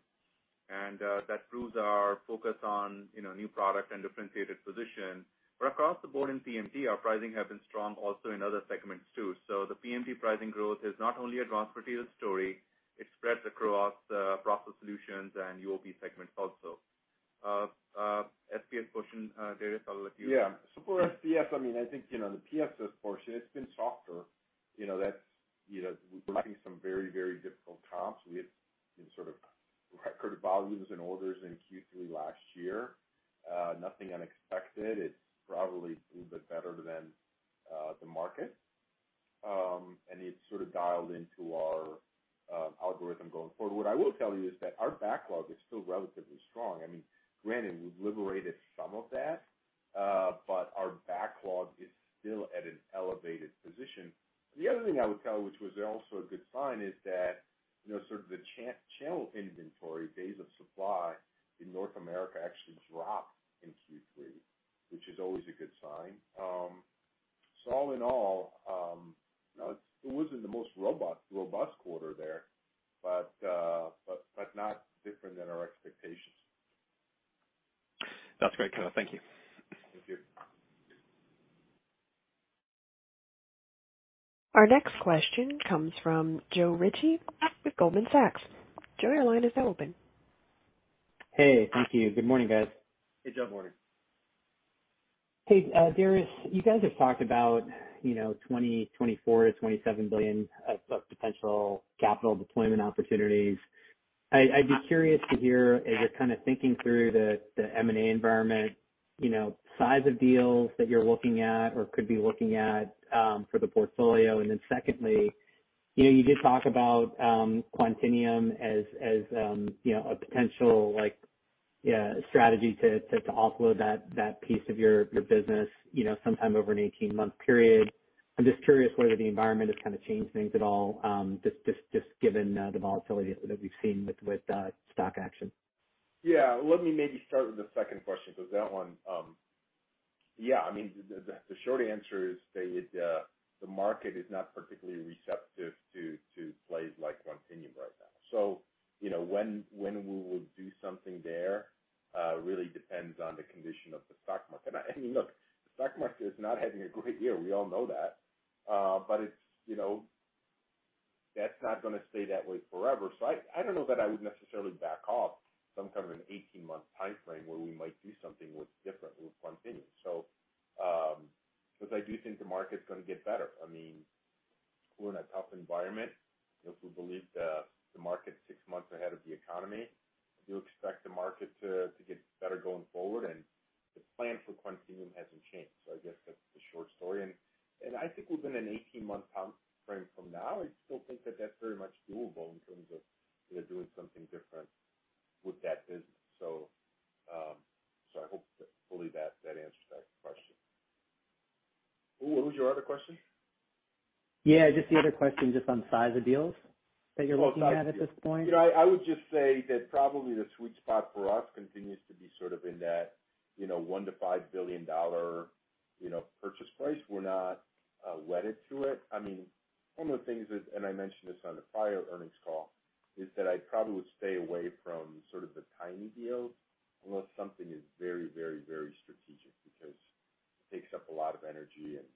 and that proves our focus on, you know, new product and differentiated position. Across the board in PMT, our pricing has been strong also in other segments, too. The PMT pricing growth is not only advanced materials story, it spreads across process solutions and UOP segments also. SPS portion, Darius, I'll let you. Yeah. For SPS, I mean, I think, you know, the PSS portion, it's been softer. You know, that's, you know, we're lacking some very difficult comps. We had sort of record volumes and orders in Q3 last year. Nothing unexpected. It's probably a little bit better than the market. It's sort of dialed into our algorithm going forward. What I will tell you is that our backlog is still relatively strong. I mean, granted, we've liberated some of that, but our backlog is still at an elevated position. The other thing I would tell, which was also a good sign, is that, you know, sort of the channel inventory days of supply in North America actually dropped in Q3, which is always a good sign. All in all, it wasn't the most robust quarter there, but not different than our expectations. That's great. Thank you. Thank you. Our next question comes from Joe Ritchie with Goldman Sachs. Joe, your line is now open. Hey. Thank you. Good morning, guys. Hey, Joe. Morning. Hey, Darius. You guys have talked about, you know, $24 billion-$27 billion of potential capital deployment opportunities. I'd be curious to hear as you're kind of thinking through the M&A environment, you know, size of deals that you're looking at or could be looking at for the portfolio. Then secondly, you know, you did talk about Quantinuum as, you know, a potential, like, strategy to offload that piece of your business, you know, sometime over an 18-month period. I'm just curious whether the environment has kind of changed things at all, just given the volatility that we've seen with stock action. Yeah. Let me maybe start with the second question, because that one. Yeah, I mean, the short answer is that the market is not particularly receptive to plays like Quantinuum right now. You know, when we would do something there really depends on the condition of the stock market. I mean, look, the stock market is not having a great year. We all know that. It's, you know, that's not gonna stay that way forever. I don't know that I would necessarily back off some kind of an 18-month timeframe where we might do something with Quantinuum. Because I do think the market's gonna get better. I mean, we're in a tough environment. You know, if we believe that the market's six months ahead of the economy, I do expect the market to get better going forward, and the plan for Quantinuum hasn't changed. I guess that's the short story. I think within an 18-month time frame from now, I still think that that's very much doable in terms of, you know, doing something different with that business. I hope that fully answers that question. What was your other question? Yeah, just the other question just on size of deals that you're looking at this point? You know, I would just say that probably the sweet spot for us continues to be sort of in that, you know, $1 billion-$5 billion purchase price. We're not wedded to it. I mean, one of the things is, and I mentioned this on the prior earnings call, is that I probably would stay away from sort of the tiny deals unless something is very, very, very strategic because it takes up a lot of energy, and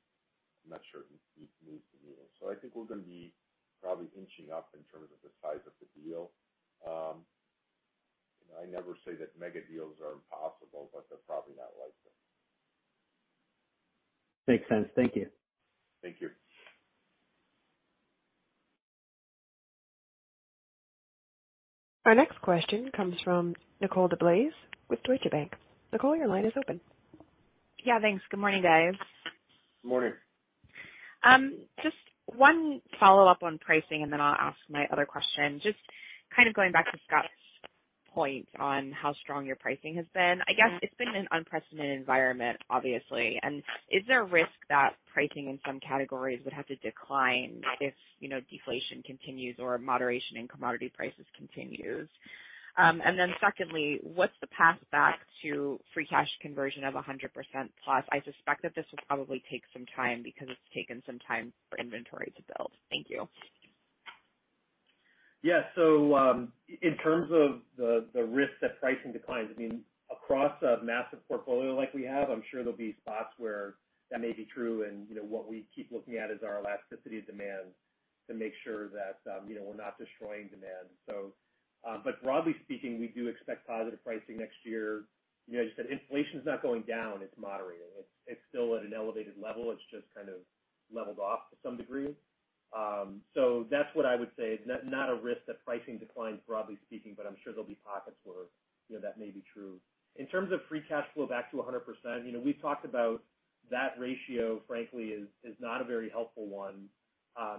I'm not sure it needs to be. I think we're gonna be probably inching up in terms of the size of the deal. I never say that mega deals are impossible, but they're probably not likely. Makes sense. Thank you. Thank you. Our next question comes from Nicole DeBlase with Deutsche Bank. Nicole, your line is open. Yeah, thanks. Good morning, guys. Morning. Just one follow-up on pricing, and then I'll ask my other question. Just kind of going back to Scott's point on how strong your pricing has been. I guess it's been an unprecedented environment, obviously. Is there a risk that pricing in some categories would have to decline if, you know, deflation continues or moderation in commodity prices continues? And then secondly, what's the path back to free cash conversion of 100% plus? I suspect that this will probably take some time because it's taken some time for inventory to build. Thank you. Yeah. In terms of the risk that pricing declines, I mean, across a massive portfolio like we have, I'm sure there'll be spots where that may be true. You know, what we keep looking at is our elasticity of demand to make sure that, you know, we're not destroying demand. Broadly speaking, we do expect positive pricing next year. You know, as you said, inflation's not going down, it's moderating. It's still at an elevated level. It's just kind of leveled off to some degree. That's what I would say. Not a risk that pricing declines, broadly speaking, but I'm sure there'll be pockets where, you know, that may be true. In terms of free cash flow back to 100%, you know, we've talked about that ratio, frankly, is not a very helpful one.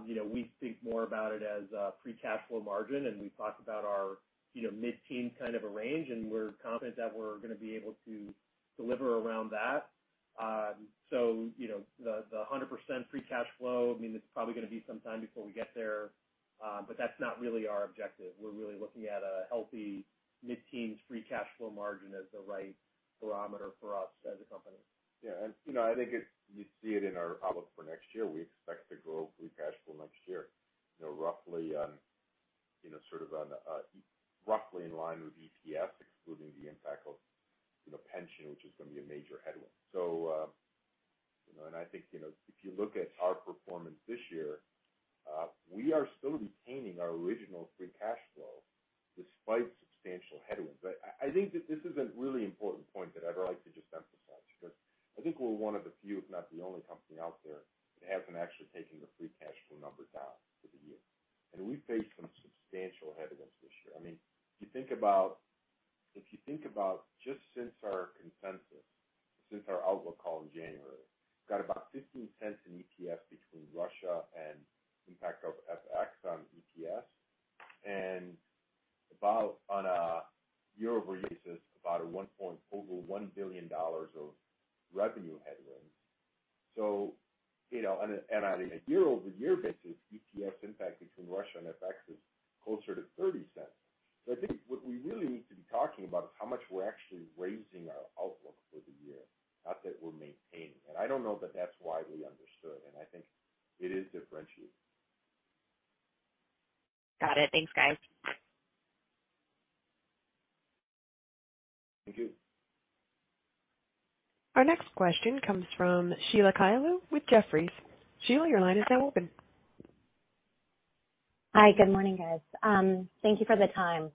You know, we think more about it as free cash flow margin, and we've talked about our, you know, mid-teen kind of a range, and we're confident that we're gonna be able to deliver around that. So, you know, the 100% free cash flow, I mean, it's probably gonna be some time before we get there, but that's not really our objective. We're really looking at a healthy mid-teens free cash flow margin as the right barometer for us as a company. Yeah. You know, I think it's. You see it in our outlook for next year. We expect to grow free cash flow next year, you know, roughly on, you know, sort of on, roughly in line with EPS, excluding the impact of, you know, pension, which is gonna be a major headwind. You know, I think, you know, if you look at our performance this year, we are still retaining our original free cash flow despite substantial headwinds. I think that this is a really important point that I'd like to just emphasize, because I think we're one of the few, if not the only company out there that hasn't actually taken the free cash flow number down for the year. We faced some substantial headwinds this year. I mean, if you think about just since our outlook call in January, got about $0.15 in EPS between Russia and impact of FX on EPS and about on a year-over-year basis, about over $1 billion of revenue headwinds. You know, on a year-over-year basis, EPS impact between Russia and FX is closer to $0.30. I think what we really need to be talking about is how much we're actually raising our outlook for the year, not that we're maintaining. I don't know that that's widely understood, and I think it is differentiating. Got it. Thanks, guys. Thank you. Our next question comes from Sheila Kahyaoglu with Jefferies. Sheila, your line is now open. Hi, good morning, guys. Thank you for the time.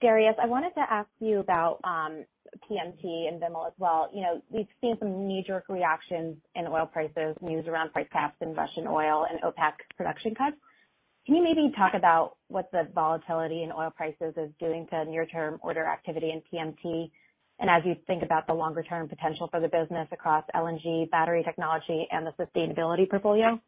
Darius, I wanted to ask you about PMT and Vimal as well. You know, we've seen some knee-jerk reactions in oil prices, news around price caps in Russian oil and OPEC's production cuts. Can you maybe talk about what the volatility in oil prices is doing to near-term order activity in PMT? As you think about the longer-term potential for the business across LNG, battery technology, and the sustainability portfolio?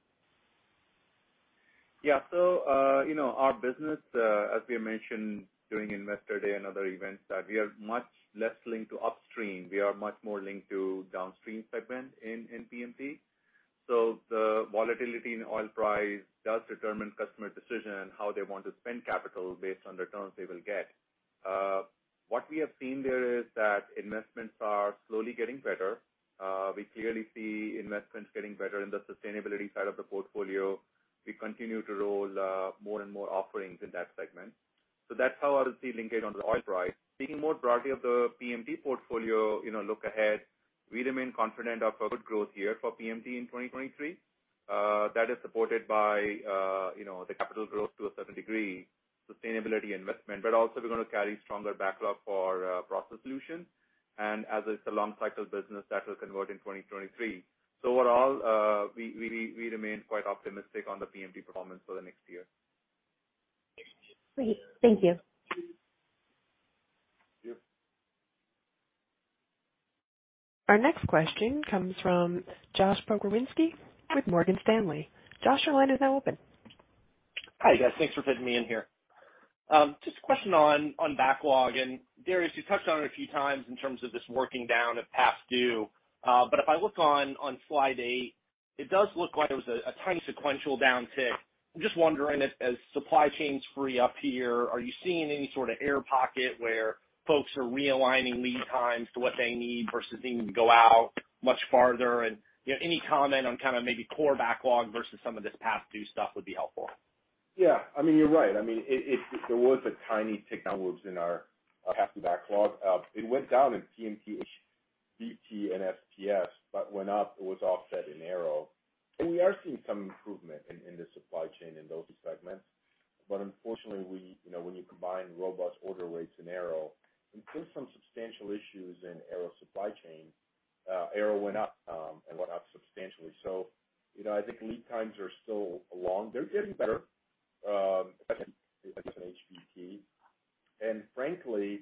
You know, our business, as we mentioned during Investor Day and other events, that we are much less linked to upstream. We are much more linked to downstream segment in PMT. The volatility in oil price does determine customer decision and how they want to spend capital based on the returns they will get. What we have seen there is that investments are slowly getting better. We clearly see investments getting better in the sustainability side of the portfolio. We continue to roll, more and more offerings in that segment. That's how I would see linkage on the oil price. Speaking more broadly of the PMT portfolio, you know, look ahead, we remain confident of a good growth year for PMT in 2023. That is supported by, you know, the capital growth to a certain degree, sustainability investment, but also we're gonna carry stronger backlog for, process solutions. As it's a long cycle business, that will convert in 2023. Overall, we remain quite optimistic on the PMT performance for the next year. Great. Thank you. Our next question comes from Josh Pokrzywinski with Morgan Stanley. Josh, your line is now open. Hi, guys. Thanks for fitting me in here. Just a question on backlog. Darius, you touched on it a few times in terms of just working down of past-due. But if I look on slide 8, it does look like there was a tiny sequential downtick. I'm just wondering if as supply chains free up here, are you seeing any sort of air pocket where folks are realigning lead times to what they need versus needing to go out much farther? You know, any comment on kind of maybe core backlog versus some of this past-due stuff would be helpful. Yeah. I mean, you're right. I mean, there was a tiny tick downwards in our past-due backlog. It went down in PMT, HBT, and SPS, but went up, it was offset in Aero. We are seeing some improvement in the supply chain in those segments. Unfortunately, you know, when you combine robust order rates in Aero, we've seen some substantial issues in Aero supply chain. Aero went up and went up substantially. You know, I think lead times are still long. They're getting better, HBT. Frankly,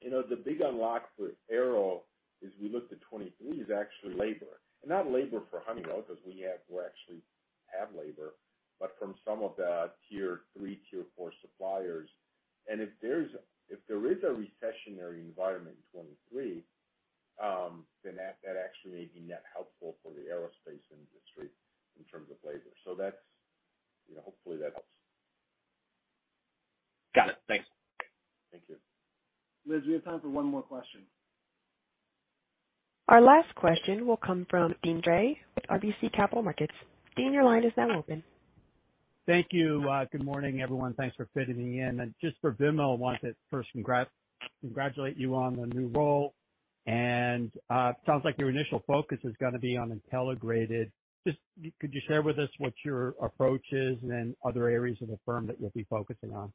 you know, the big unlock for Aero, as we look to 2023, is actually labor. Not labor for Honeywell, 'cause we actually have labor, but from some of the tier three, tier four suppliers. If there is a recessionary environment in 2023, then that actually may be net helpful for the aerospace industry in terms of labor. That's, you know, hopefully that helps. Got it. Thanks. Thank you. Liz, we have time for one more question. Our last question will come from Deane Dray with RBC Capital Markets. Deane, your line is now open. Thank you. Good morning, everyone. Thanks for fitting me in. Just for Vimal, I wanted to first congratulate you on the new role. It sounds like your initial focus is gonna be on Intelligrated. Just could you share with us what your approach is and other areas of the firm that you'll be focusing on?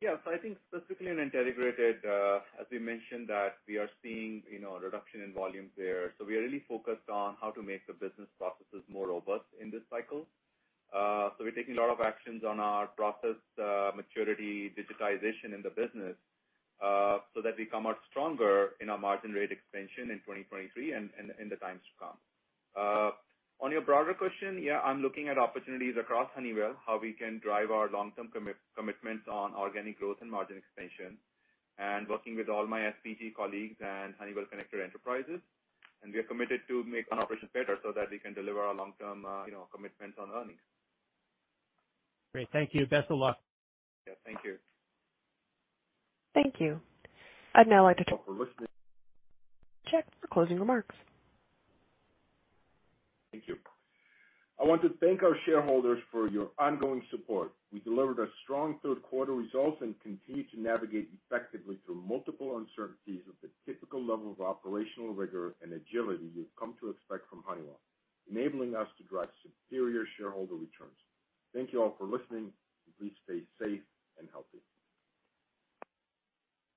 Yeah. I think specifically in Intelligrated, as we mentioned that we are seeing, you know, a reduction in volumes there. We are really focused on how to make the business processes more robust in this cycle. We're taking a lot of actions on our process maturity, digitization in the business, so that we come out stronger in our margin rate expansion in 2023 and in the times to come. On your broader question, yeah, I'm looking at opportunities across Honeywell, how we can drive our long-term commitment on organic growth and margin expansion, and working with all my SBG colleagues and Honeywell Connected Enterprises. We are committed to make our operations better so that we can deliver our long-term, you know, commitments on earnings. Great. Thank you. Best of luck. Yeah, thank you. Thank you. Thanks for listening. Check for closing remarks. Thank you. I want to thank our shareholders for your ongoing support. We delivered a strong third quarter results and continue to navigate effectively through multiple uncertainties with the typical level of operational rigor and agility you've come to expect from Honeywell, enabling us to drive superior shareholder returns. Thank you all for listening. Please stay safe and healthy.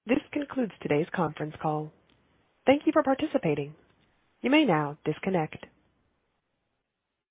This concludes today's conference call. Thank you for participating. You may now disconnect.